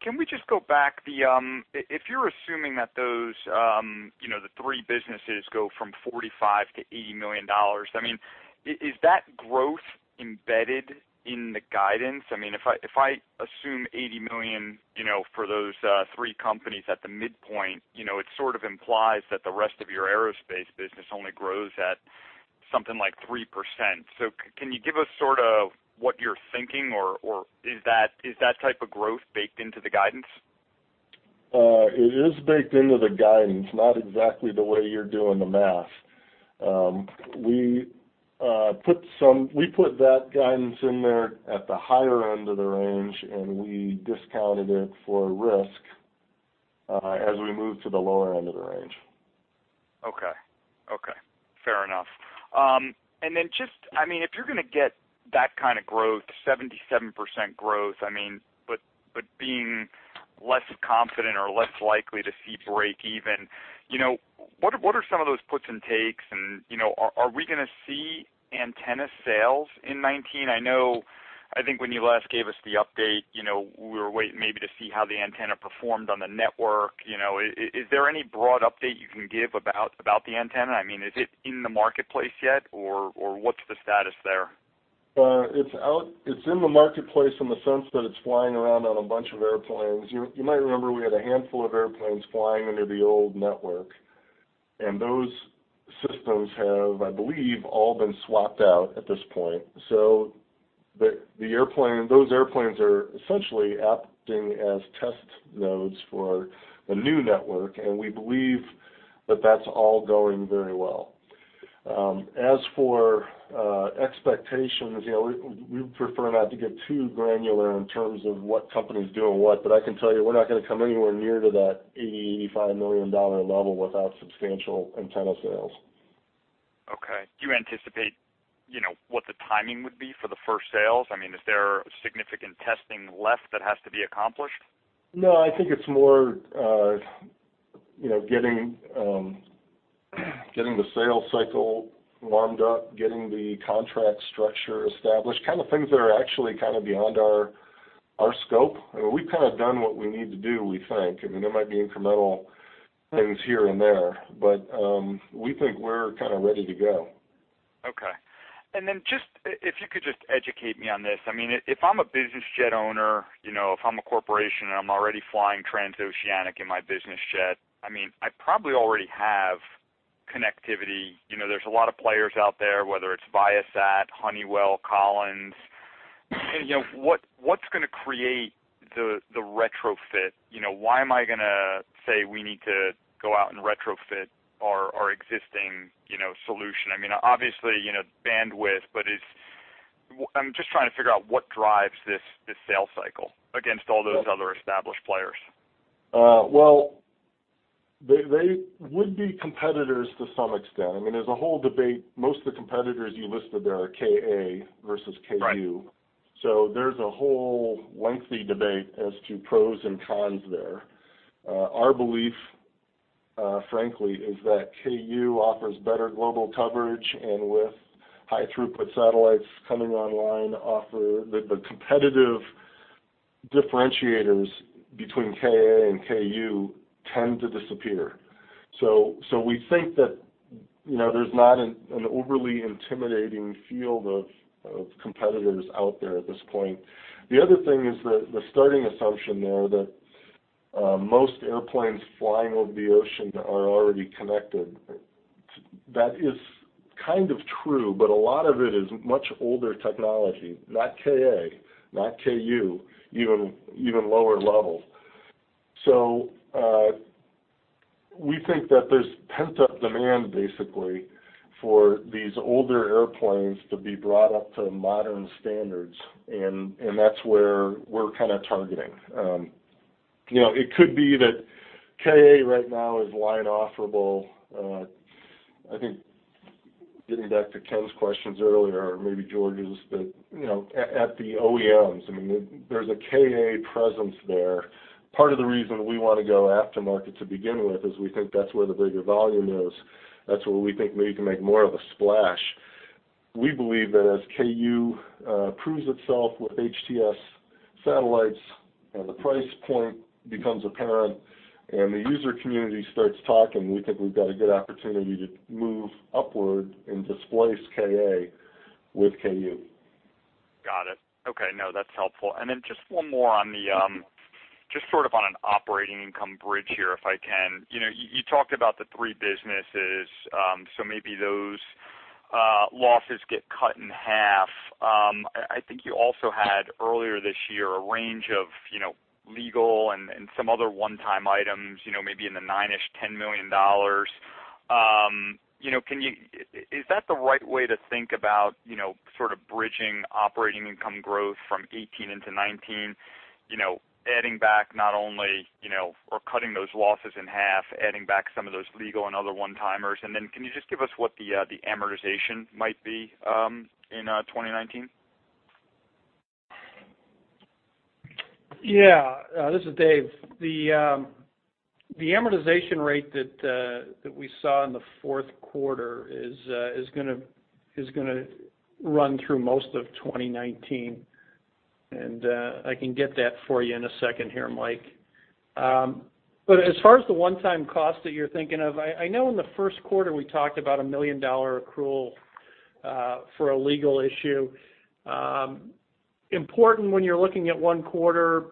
Pete, can we just go back, if you're assuming that those three businesses go from $45 million-$80 million, is that growth embedded in the guidance? If I assume $80 million for those three companies at the midpoint, it sort of implies that the rest of your aerospace business only grows at something like 3%. Can you give us sort of what you're thinking, or is that type of growth baked into the guidance? It is baked into the guidance, not exactly the way you're doing the math. We put that guidance in there at the higher end of the range, and we discounted it for risk as we moved to the lower end of the range. Okay. Fair enough. If you're going to get that kind of growth, 77% growth, but being less confident or less likely to see breakeven, what are some of those puts and takes? Are we going to see antenna sales in 2019? I think when you last gave us the update, we were waiting maybe to see how the antenna performed on the network. Is there any broad update you can give about the antenna? Is it in the marketplace yet, or what's the status there? It's in the marketplace in the sense that it's flying around on a bunch of airplanes. You might remember we had a handful of airplanes flying under the old network, and those systems have, I believe, all been swapped out at this point. Those airplanes are essentially acting as test nodes for the new network, and we believe that that's all going very well. As for expectations, we would prefer not to get too granular in terms of what company's doing what, but I can tell you we're not going to come anywhere near to that $80 million, $85 million level without substantial antenna sales. Okay. Do you anticipate what the timing would be for the first sales? Is there significant testing left that has to be accomplished? No, I think it's more getting the sales cycle warmed up, getting the contract structure established, kind of things that are actually kind of beyond our scope. We've kind of done what we need to do, we think. There might be incremental things here and there, but we think we're kind of ready to go. If you could just educate me on this. If I'm a business jet owner, if I'm a corporation and I'm already flying transoceanic in my business jet, I probably already have connectivity. There's a lot of players out there, whether it's Viasat, Honeywell, Collins. What's going to create the retrofit? Why am I going to say we need to go out and retrofit our existing solution? Obviously, bandwidth, but I'm just trying to figure out what drives this sales cycle against all those other established players. Well, they would be competitors to some extent. There's a whole debate. Most of the competitors you listed there are Ka versus Ku. Right. There's a whole lengthy debate as to pros and cons there. Our belief frankly, is that Ku offers better global coverage, and with high throughput satellites coming online, the competitive differentiators between Ka and Ku tend to disappear. We think that there's not an overly intimidating field of competitors out there at this point. The other thing is the starting assumption there that most airplanes flying over the ocean are already connected. That is kind of true, but a lot of it is much older technology, not Ka, not Ku, even lower levels. We think that there's pent-up demand, basically, for these older airplanes to be brought up to modern standards, and that's where we're kind of targeting. It could be that Ka right now is line-offerable. I think, getting back to Ken's questions earlier, or maybe George's, but at the OEMs, there's a Ka presence there. Part of the reason we want to go aftermarket to begin with is we think that's where the bigger volume is. That's where we think we can make more of a splash. We believe that as Ku proves itself with HTS satellites, and the price point becomes apparent, and the user community starts talking, we think we've got a good opportunity to move upward and displace Ka with Ku. Got it. Okay. No, that's helpful. Just one more on an operating income bridge here, if I can. You talked about the three businesses. Maybe those losses get cut in half. I think you also had, earlier this year, a range of legal and some other one-time items, maybe in the nine-ish, $10 million. Is that the right way to think about bridging operating income growth from 2018 into 2019, adding back not only, or cutting those losses in half, adding back some of those legal and other one-timers? Can you just give us what the amortization might be in 2019? Yeah. This is Dave. The amortization rate that we saw in the fourth quarter is going to run through most of 2019. I can get that for you in a second here, Mike. As far as the one-time cost that you're thinking of, I know in the first quarter, we talked about a million-dollar accrual for a legal issue. Important when you're looking at one quarter,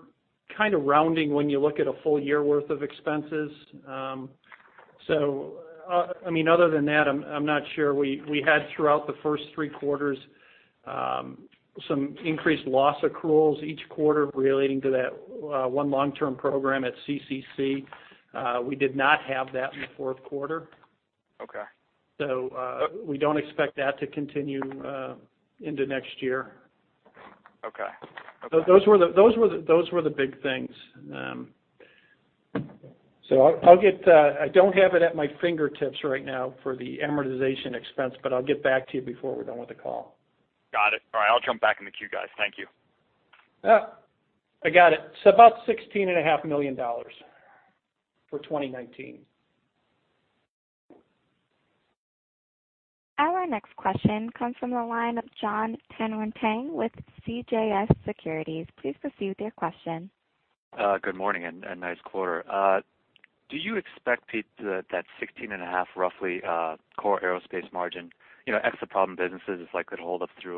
kind of rounding when you look at a full year worth of expenses. Other than that, I'm not sure. We had, throughout the first three quarters, some increased loss accruals each quarter relating to that one long-term program at CCC. We did not have that in the fourth quarter. Okay. We don't expect that to continue into next year. Okay. Those were the big things. I don't have it at my fingertips right now for the amortization expense, but I'll get back to you before we're done with the call. Got it. All right, I'll jump back in the queue, guys. Thank you. I got it. It's about $16.5 million for 2019. Our next question comes from the line of Jon Tanwanteng with CJS Securities. Please proceed with your question. Good morning. Nice quarter. Do you expect, Pete, that 16.5%, roughly, core aerospace margin, ex the problem businesses, is likely to hold up through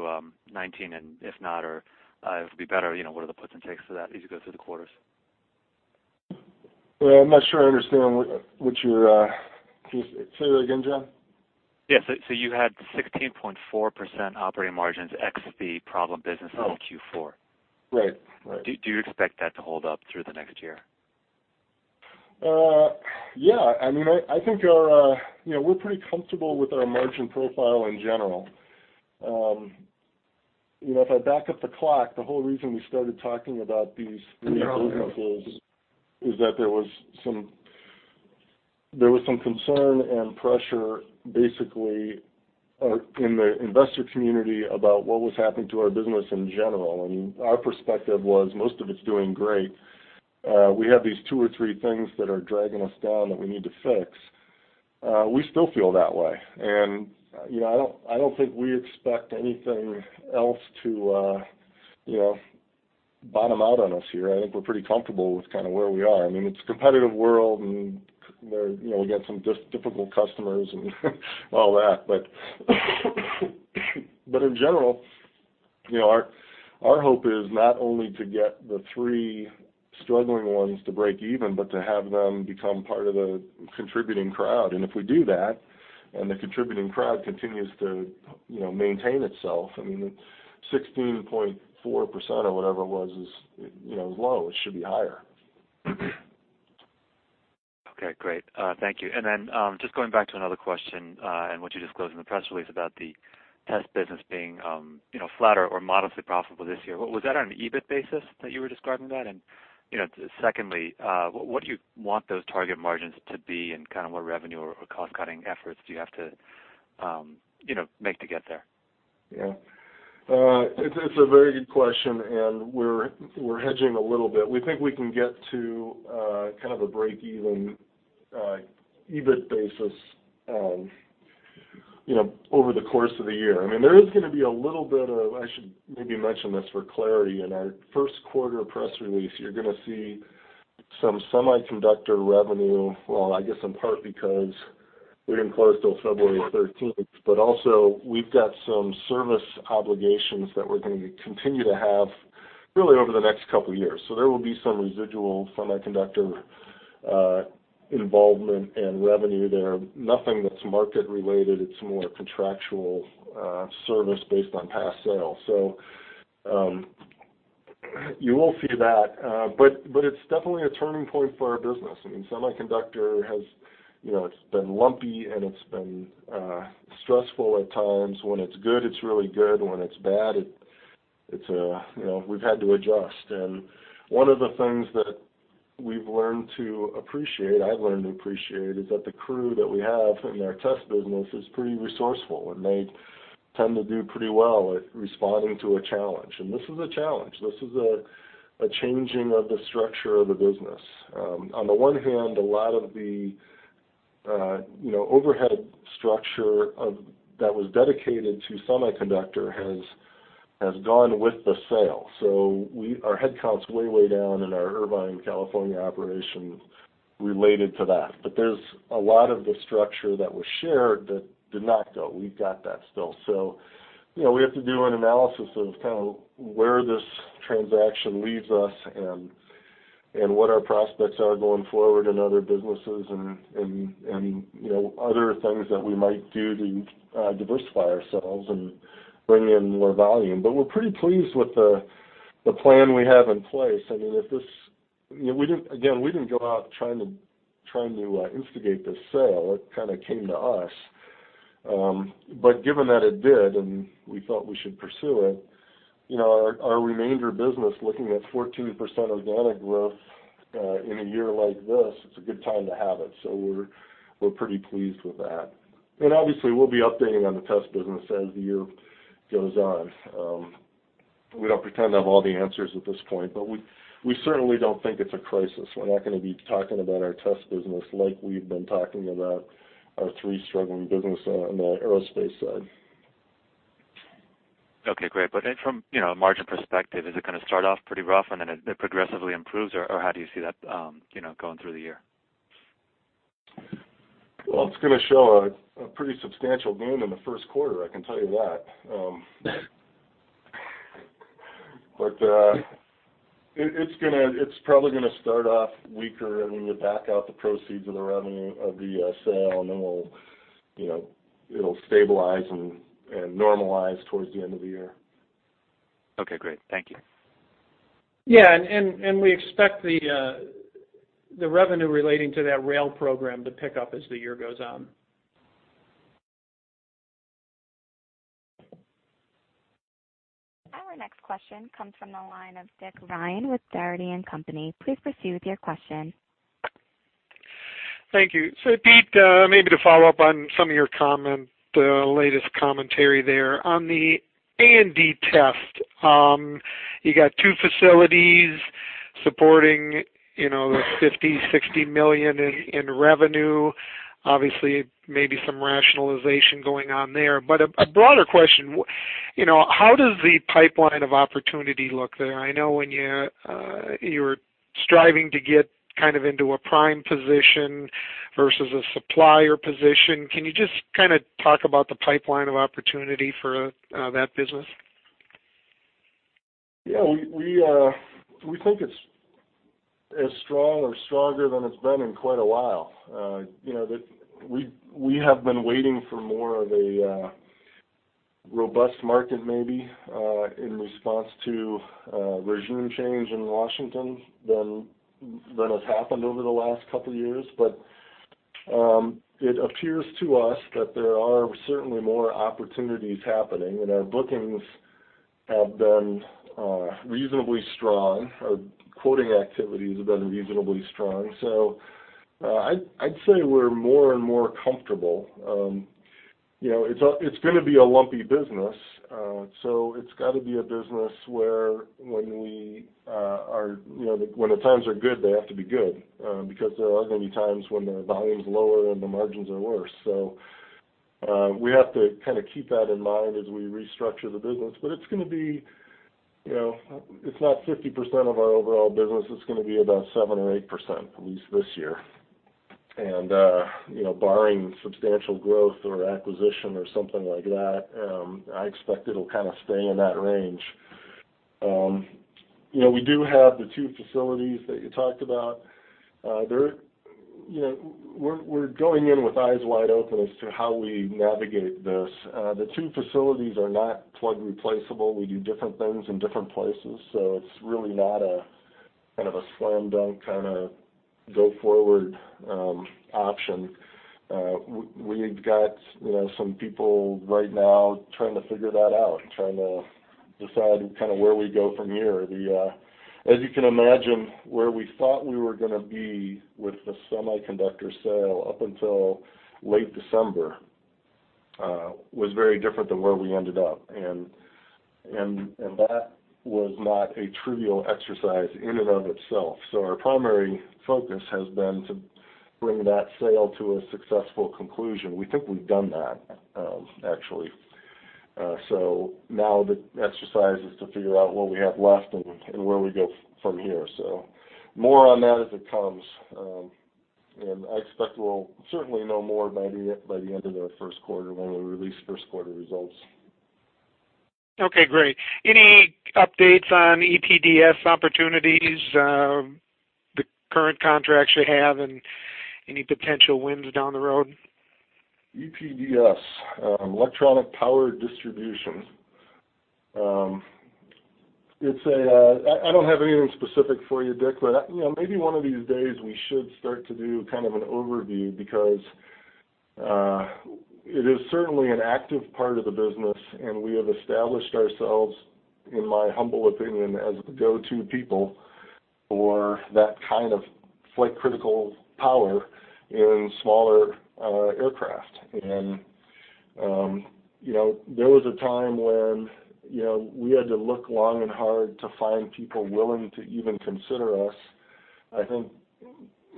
2019, and if not, or if it'll be better, what are the puts and takes for that as you go through the quarters? I'm not sure I understand. Can you say that again, Jon? Yeah. You had 16.4% operating margins, ex the problem businesses in Q4. Right. Do you expect that to hold up through the next year? Yeah. I think we're pretty comfortable with our margin profile in general. If I back up the clock, the whole reason we started talking about these three businesses is that there was some concern and pressure, basically, in the investor community about what was happening to our business in general. Our perspective was, most of it's doing great. We have these two or three things that are dragging us down that we need to fix. We still feel that way, and I don't think we expect anything else to bottom out on us here. I think we're pretty comfortable with kind of where we are. It's a competitive world, and we got some difficult customers and all that. In general, our hope is not only to get the three struggling ones to break even, but to have them become part of the contributing crowd. If we do that, and the contributing crowd continues to maintain itself, 16.4% or whatever it was is low. It should be higher. Okay, great. Thank you. Just going back to another question, and what you disclosed in the press release about the TES business being flatter or modestly profitable this year. Was that on an EBIT basis that you were describing that? Secondly, what do you want those target margins to be and what revenue or cost-cutting efforts do you have to make to get there? Yeah. It's a very good question. We're hedging a little bit. We think we can get to a break-even EBIT basis over the course of the year. I should maybe mention this for clarity. In our first quarter press release, you're going to see some semiconductor revenue. Well, I guess in part because we didn't close till February 13th, but also we've got some service obligations that we're going to continue to have really over the next couple of years. There will be some residual semiconductor involvement and revenue there. Nothing that's market related. It's more contractual service based on past sales. You will see that. It's definitely a turning point for our business. Semiconductor has been lumpy, and it's been stressful at times. When it's good, it's really good. When it's bad, we've had to adjust. One of the things that we've learned to appreciate, I've learned to appreciate, is that the crew that we have in our test business is pretty resourceful, and they tend to do pretty well at responding to a challenge. This is a challenge. This is a changing of the structure of the business. On the one hand, a lot of the overhead structure that was dedicated to semiconductor has gone with the sale. Our headcount's way down in our Irvine, California, operation related to that. There's a lot of the structure that was shared that did not go. We've got that still. We have to do an analysis of kind of where this transaction leaves us and what our prospects are going forward in other businesses and other things that we might do to diversify ourselves and bring in more volume. We're pretty pleased with the plan we have in place. Again, we didn't go out trying to instigate this sale. It kind of came to us. Given that it did, and we felt we should pursue it, our remainder business, looking at 14% organic growth in a year like this, it's a good time to have it. We're pretty pleased with that. Obviously, we'll be updating on the test business as the year goes on. We don't pretend to have all the answers at this point, but we certainly don't think it's a crisis. We're not going to be talking about our test business like we've been talking about our three struggling business on the aerospace side. Okay, great. From a margin perspective, is it going to start off pretty rough and then it progressively improves, or how do you see that going through the year? It's going to show a pretty substantial gain in the first quarter, I can tell you that. It's probably going to start off weaker, and when you back out the proceeds of the revenue of the sale, and then it'll stabilize and normalize towards the end of the year. Okay, great. Thank you. Yeah, we expect the revenue relating to that rail program to pick up as the year goes on. Our next question comes from the line of Richard Ryan with Dougherty & Company. Please proceed with your question. Thank you. Pete, maybe to follow up on some of your latest commentary there. On the A&D test, you got two facilities supporting the $50 million, $60 million in revenue. Obviously, maybe some rationalization going on there. A broader question, how does the pipeline of opportunity look there? I know when you're striving to get kind of into a prime position versus a supplier position. Can you just kind of talk about the pipeline of opportunity for that business? Yeah, we think it's as strong or stronger than it's been in quite a while. We have been waiting for more of a robust market, maybe, in response to a regime change in Washington than has happened over the last couple of years. It appears to us that there are certainly more opportunities happening, and our bookings have been reasonably strong. Our quoting activities have been reasonably strong. I'd say we're more and more comfortable. It's going to be a lumpy business, so it's got to be a business where when the times are good, they have to be good. There are going to be times when the volume's lower and the margins are worse. We have to kind of keep that in mind as we restructure the business. It's not 50% of our overall business. It's going to be about 7% or 8%, at least this year. Barring substantial growth or acquisition or something like that, I expect it'll kind of stay in that range. We do have the two facilities that you talked about. We're going in with eyes wide open as to how we navigate this. The two facilities are not plug replaceable. We do different things in different places, so it's really not a kind of a slam dunk kind of go forward option. We've got some people right now trying to figure that out. Decide kind of where we go from here. As you can imagine, where we thought we were going to be with the semiconductor sale up until late December, was very different than where we ended up. That was not a trivial exercise in and of itself. Our primary focus has been to bring that sale to a successful conclusion. We think we've done that, actually. Now the exercise is to figure out what we have left and where we go from here. More on that as it comes. I expect we'll certainly know more by the end of the first quarter when we release first quarter results. Okay, great. Any updates on EPDS opportunities, the current contracts you have, and any potential wins down the road? EPDS, electronic power distribution. I don't have anything specific for you, Dick, but maybe one of these days we should start to do kind of an overview because it is certainly an active part of the business, and we have established ourselves, in my humble opinion, as the go-to people for that kind of flight critical power in smaller aircraft. There was a time when we had to look long and hard to find people willing to even consider us. I think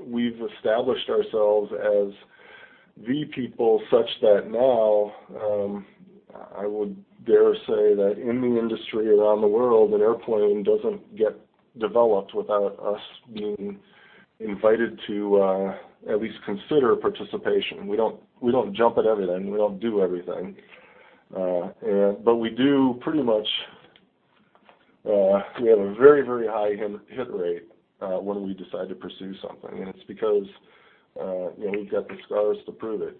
we've established ourselves as the people such that now, I would dare say that in the industry around the world, an airplane doesn't get developed without us being invited to at least consider participation. We don't jump at everything. We don't do everything. We do pretty much we have a very high hit rate when we decide to pursue something. It's because, we've got the scars to prove it.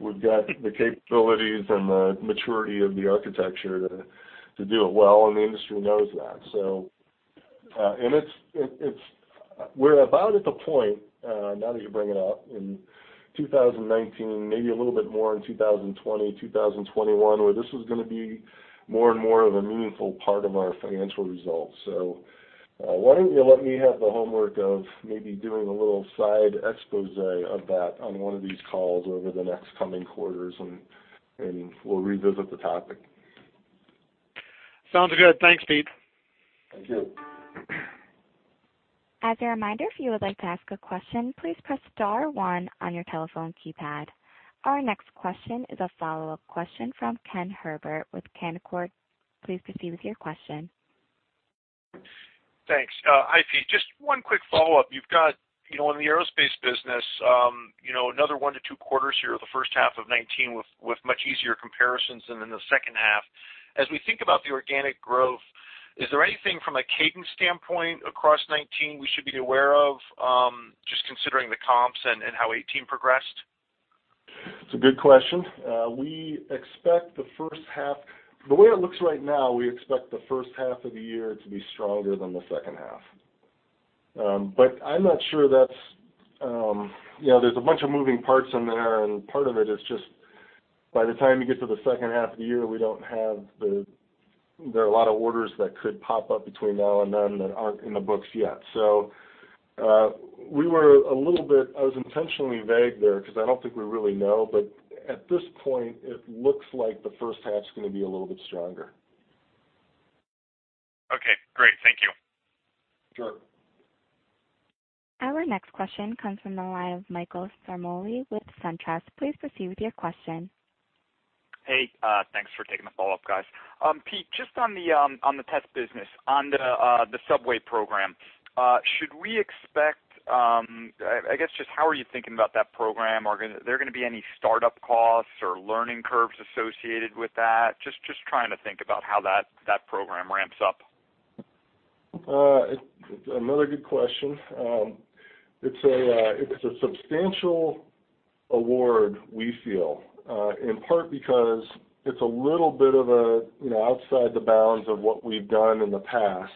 We've got the capabilities and the maturity of the architecture to do it well, and the industry knows that. We're about at the point, now that you bring it up, in 2019, maybe a little bit more in 2020, 2021, where this is going to be more and more of a meaningful part of our financial results. Why don't you let me have the homework of maybe doing a little side expose of that on one of these calls over the next coming quarters and we'll revisit the topic. Sounds good. Thanks, Pete. Thank you. As a reminder, if you would like to ask a question, please press star one on your telephone keypad. Our next question is a follow-up question from Ken Herbert with Canaccord. Please proceed with your question. Thanks. Hi, Pete. Just one quick follow-up. You've got, in the aerospace business, another one to two quarters here, the first half of 2019 with much easier comparisons than in the second half. As we think about the organic growth, is there anything from a cadence standpoint across 2019 we should be aware of, just considering the comps and how 2018 progressed? It's a good question. We expect the first half of the year to be stronger than the second half. There's a bunch of moving parts in there, and part of it is just by the time you get to the second half of the year, there are a lot of orders that could pop up between now and then that aren't in the books yet. We were a little bit, I was intentionally vague there because I don't think we really know. At this point, it looks like the first half is going to be a little bit stronger. Okay, great. Thank you. Sure. Our next question comes from the line of Michael Ciarmoli with SunTrust. Please proceed with your question. Hey, thanks for taking the follow-up, guys. Pete, just on the test business, on the subway program, how are you thinking about that program? Are there going to be any startup costs or learning curves associated with that? Just trying to think about how that program ramps up. Another good question. It's a substantial award, we feel, in part because it's a little bit of a outside the bounds of what we've done in the past.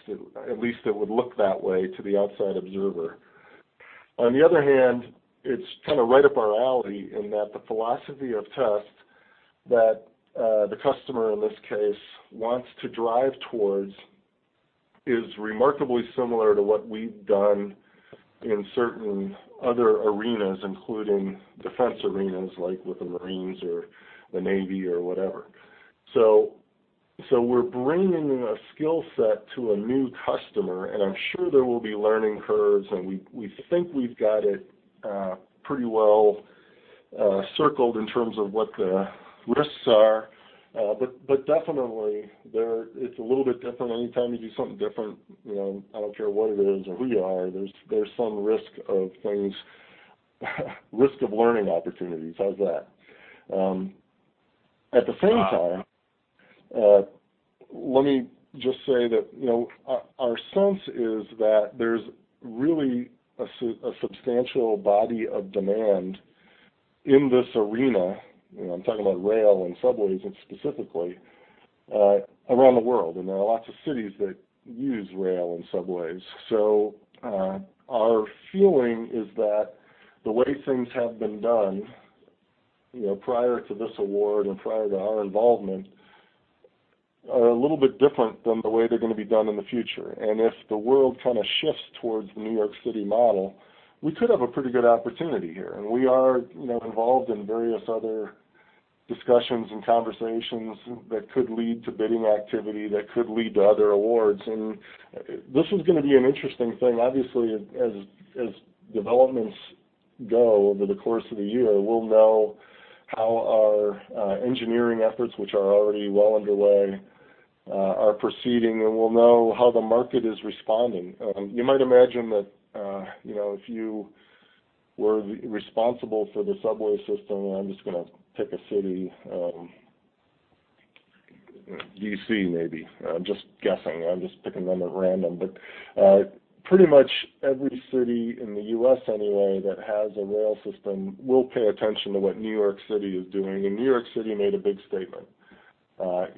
At least it would look that way to the outside observer. On the other hand, it's kind of right up our alley in that the philosophy of test that the customer, in this case, wants to drive towards is remarkably similar to what we've done in certain other arenas, including defense arenas, like with the Marines or the Navy or whatever. We're bringing a skill set to a new customer, and I'm sure there will be learning curves, and we think we've got it pretty well circled in terms of what the risks are. Definitely it's a little bit different anytime you do something different. I don't care what it is or who you are, there's some risk of things, risk of learning opportunities. How's that? At the same time, let me just say that our sense is that there's really a substantial body of demand in this arena, I'm talking about rail and subways specifically, around the world, and there are lots of cities that use rail and subways. Our feeling is that the way things have been done prior to this award and prior to our involvement, are a little bit different than the way they're going to be done in the future. If the world kind of shifts towards the New York City model, we could have a pretty good opportunity here. We are involved in various other discussions and conversations that could lead to bidding activity, that could lead to other awards. This is going to be an interesting thing. Obviously, as developments go over the course of the year, we'll know how our engineering efforts, which are already well underway, are proceeding, and we'll know how the market is responding. You might imagine that if you were responsible for the subway system, and I'm just going to pick a city, D.C. maybe. I'm just guessing. I'm just picking them at random. Pretty much every city, in the U.S. anyway, that has a rail system will pay attention to what New York City is doing. New York City made a big statement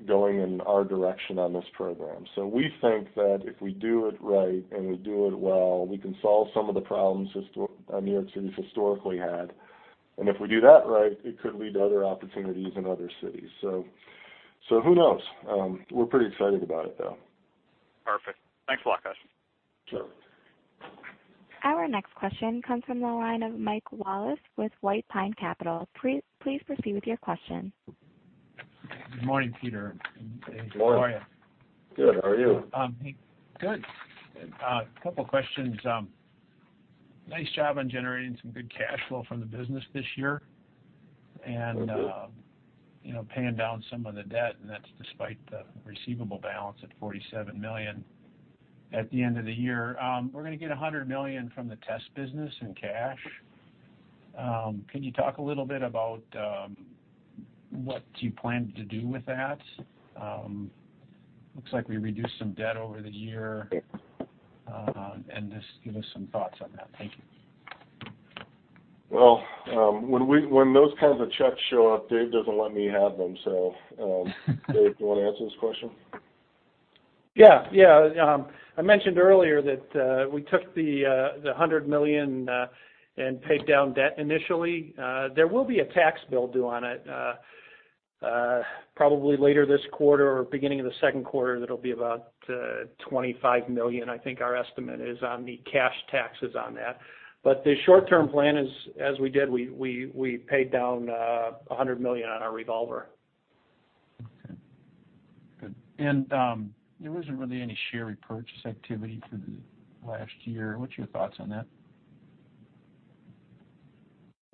going in our direction on this program. We think that if we do it right and we do it well, we can solve some of the problems New York City's historically had. If we do that right, it could lead to other opportunities in other cities. Who knows? We're pretty excited about it, though. Perfect. Thanks a lot, guys. Sure. Our next question comes from the line of Michael Wallace with White Pine Capital. Please proceed with your question. Good morning, Peter, and Dave. Good morning. How are you? Good. How are you? Good. A couple questions. Nice job on generating some good cash flow from the business this year. Thank you. Paying down some of the debt, and that's despite the receivable balance at $47 million at the end of the year. We're going to get $100 million from the test business in cash. Can you talk a little bit about what you plan to do with that? Looks like we reduced some debt over the year. Just give us some thoughts on that. Thank you. When those kinds of checks show up, Dave doesn't let me have them. Dave, do you want to answer this question? I mentioned earlier that we took the $100 million and paid down debt initially. There will be a tax bill due on it probably later this quarter or beginning of the second quarter that'll be about $25 million, I think our estimate is on the cash taxes on that. The short-term plan is, as we did, we paid down $100 million on our revolver. Okay. Good. There wasn't really any share repurchase activity for the last year. What's your thoughts on that?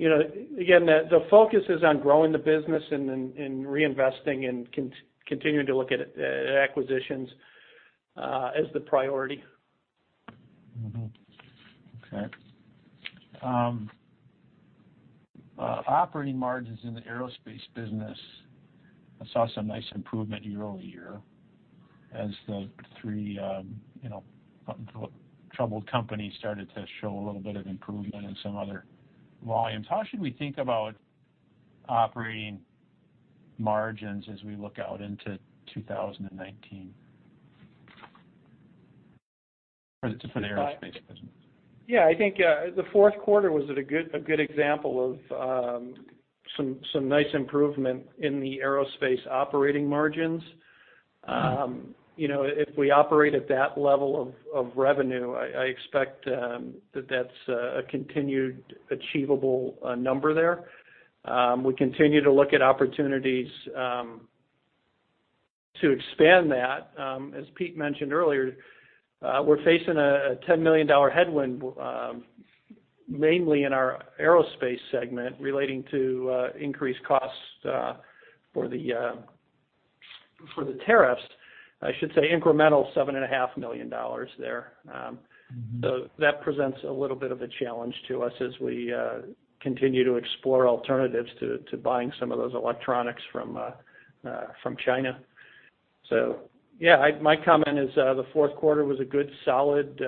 Again, the focus is on growing the business and reinvesting and continuing to look at acquisitions as the priority. Okay. Operating margins in the aerospace business saw some nice improvement year-over-year as the three troubled companies started to show a little bit of improvement in some other volumes. How should we think about operating margins as we look out into 2019 for the aerospace business? Yeah, I think the fourth quarter was a good example of some nice improvement in the aerospace operating margins. If we operate at that level of revenue, I expect that's a continued achievable number there. As Pete mentioned earlier, we're facing a $10 million headwind, mainly in our aerospace segment relating to increased costs for the tariffs. I should say incremental $7.5 million there. That presents a little bit of a challenge to us as we continue to explore alternatives to buying some of those electronics from China. My comment is the fourth quarter was a good solid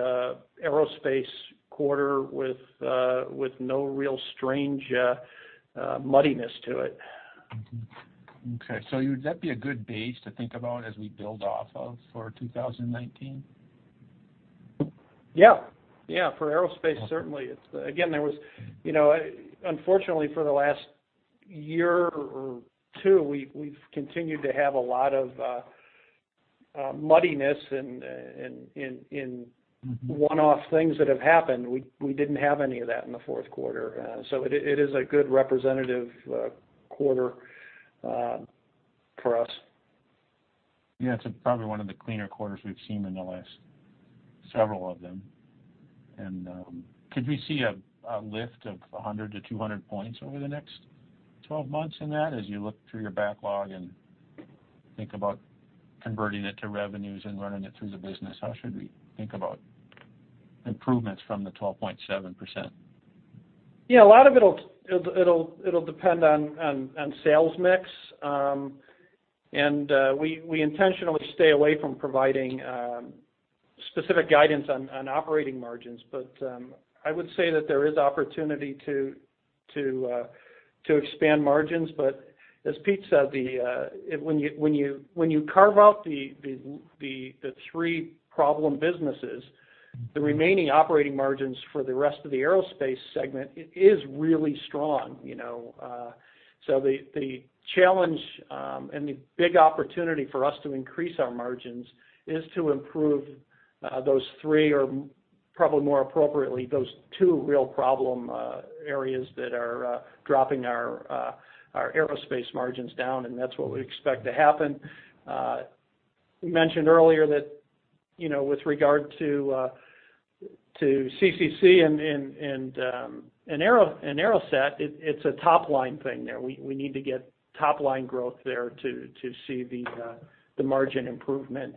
aerospace quarter with no real strange muddiness to it. Would that be a good base to think about as we build off of for 2019? Yeah. For aerospace, certainly. Again, unfortunately for the last year or two, we've continued to have a lot of muddiness in one-off things that have happened. We didn't have any of that in the fourth quarter. It is a good representative quarter for us. Yeah, it's probably one of the cleaner quarters we've seen in the last several of them. Could we see a lift of 100 to 200 points over the next 12 months in that as you look through your backlog and think about converting it to revenues and running it through the business? How should we think about improvements from the 12.7%? Yeah, a lot of it'll depend on sales mix. We intentionally stay away from providing specific guidance on operating margins. I would say that there is opportunity to expand margins. As Pete said, when you carve out the three problem businesses. The remaining operating margins for the rest of the aerospace segment is really strong. The challenge, and the big opportunity for us to increase our margins, is to improve those three or probably more appropriately, those two real problem areas that are dropping our aerospace margins down. That's what we expect to happen. We mentioned earlier that with regard to CCC and AeroSat, it's a top-line thing there. We need to get top-line growth there to see the margin improvement.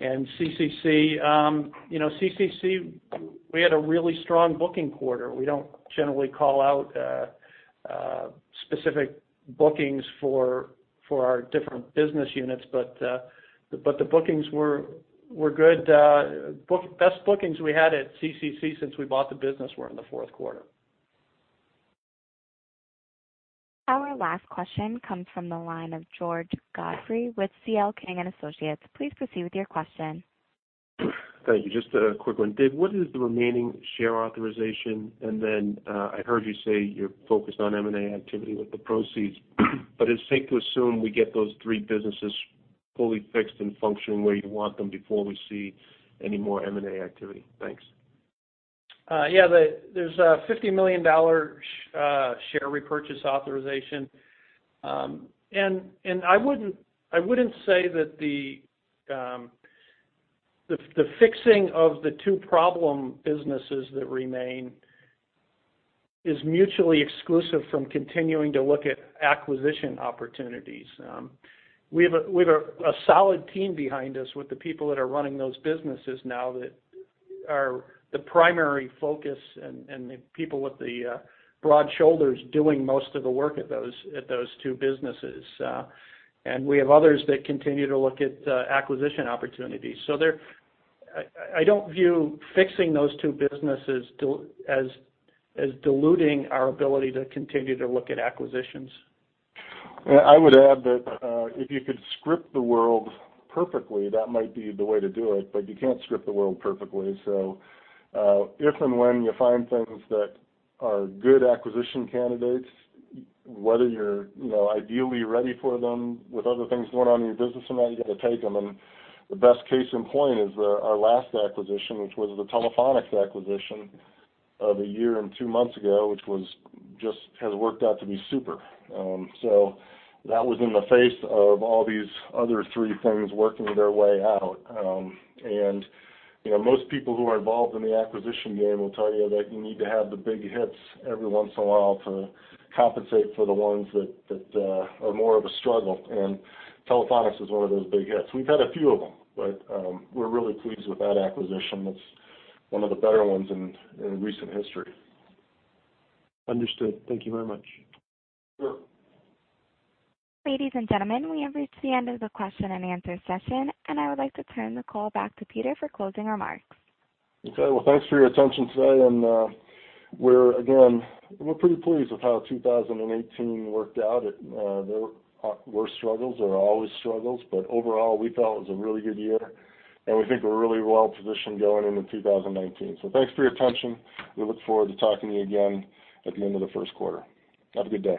CCC we had a really strong booking quarter. We don't generally call out specific bookings for our different business units, but the bookings were good. Best bookings we had at CCC since we bought the business were in the fourth quarter. Our last question comes from the line of George Godfrey with C.L. King & Associates. Please proceed with your question. Thank you. Just a quick one. Dave, what is the remaining share authorization? Then, I heard you say you're focused on M&A activity with the proceeds, is it safe to assume we get those three businesses fully fixed and functioning where you want them before we see any more M&A activity? Thanks. Yeah. There's a $50 million share repurchase authorization. I wouldn't say that the fixing of the two problem businesses that remain is mutually exclusive from continuing to look at acquisition opportunities. We have a solid team behind us with the people that are running those businesses now that are the primary focus and the people with the broad shoulders doing most of the work at those two businesses. We have others that continue to look at acquisition opportunities. I don't view fixing those two businesses as diluting our ability to continue to look at acquisitions. I would add that, if you could script the world perfectly, that might be the way to do it, but you can't script the world perfectly. If and when you find things that are good acquisition candidates, whether you're ideally ready for them with other things going on in your business or not, you got to take them. The best case in point is our last acquisition, which was the Telefonix acquisition of a year and two months ago, which just has worked out to be super. That was in the face of all these other three things working their way out. Most people who are involved in the acquisition game will tell you that you need to have the big hits every once in a while to compensate for the ones that are more of a struggle. Telefonix is one of those big hits. We've had a few of them, we're really pleased with that acquisition. That's one of the better ones in recent history. Understood. Thank you very much. Sure. Ladies and gentlemen, we have reached the end of the question and answer session, I would like to turn the call back to Peter for closing remarks. Okay. Well, thanks for your attention today. We're pretty pleased with how 2018 worked out. There were struggles. There are always struggles. Overall, we felt it was a really good year. We think we're really well positioned going into 2019. Thanks for your attention. We look forward to talking to you again at the end of the first quarter. Have a good day.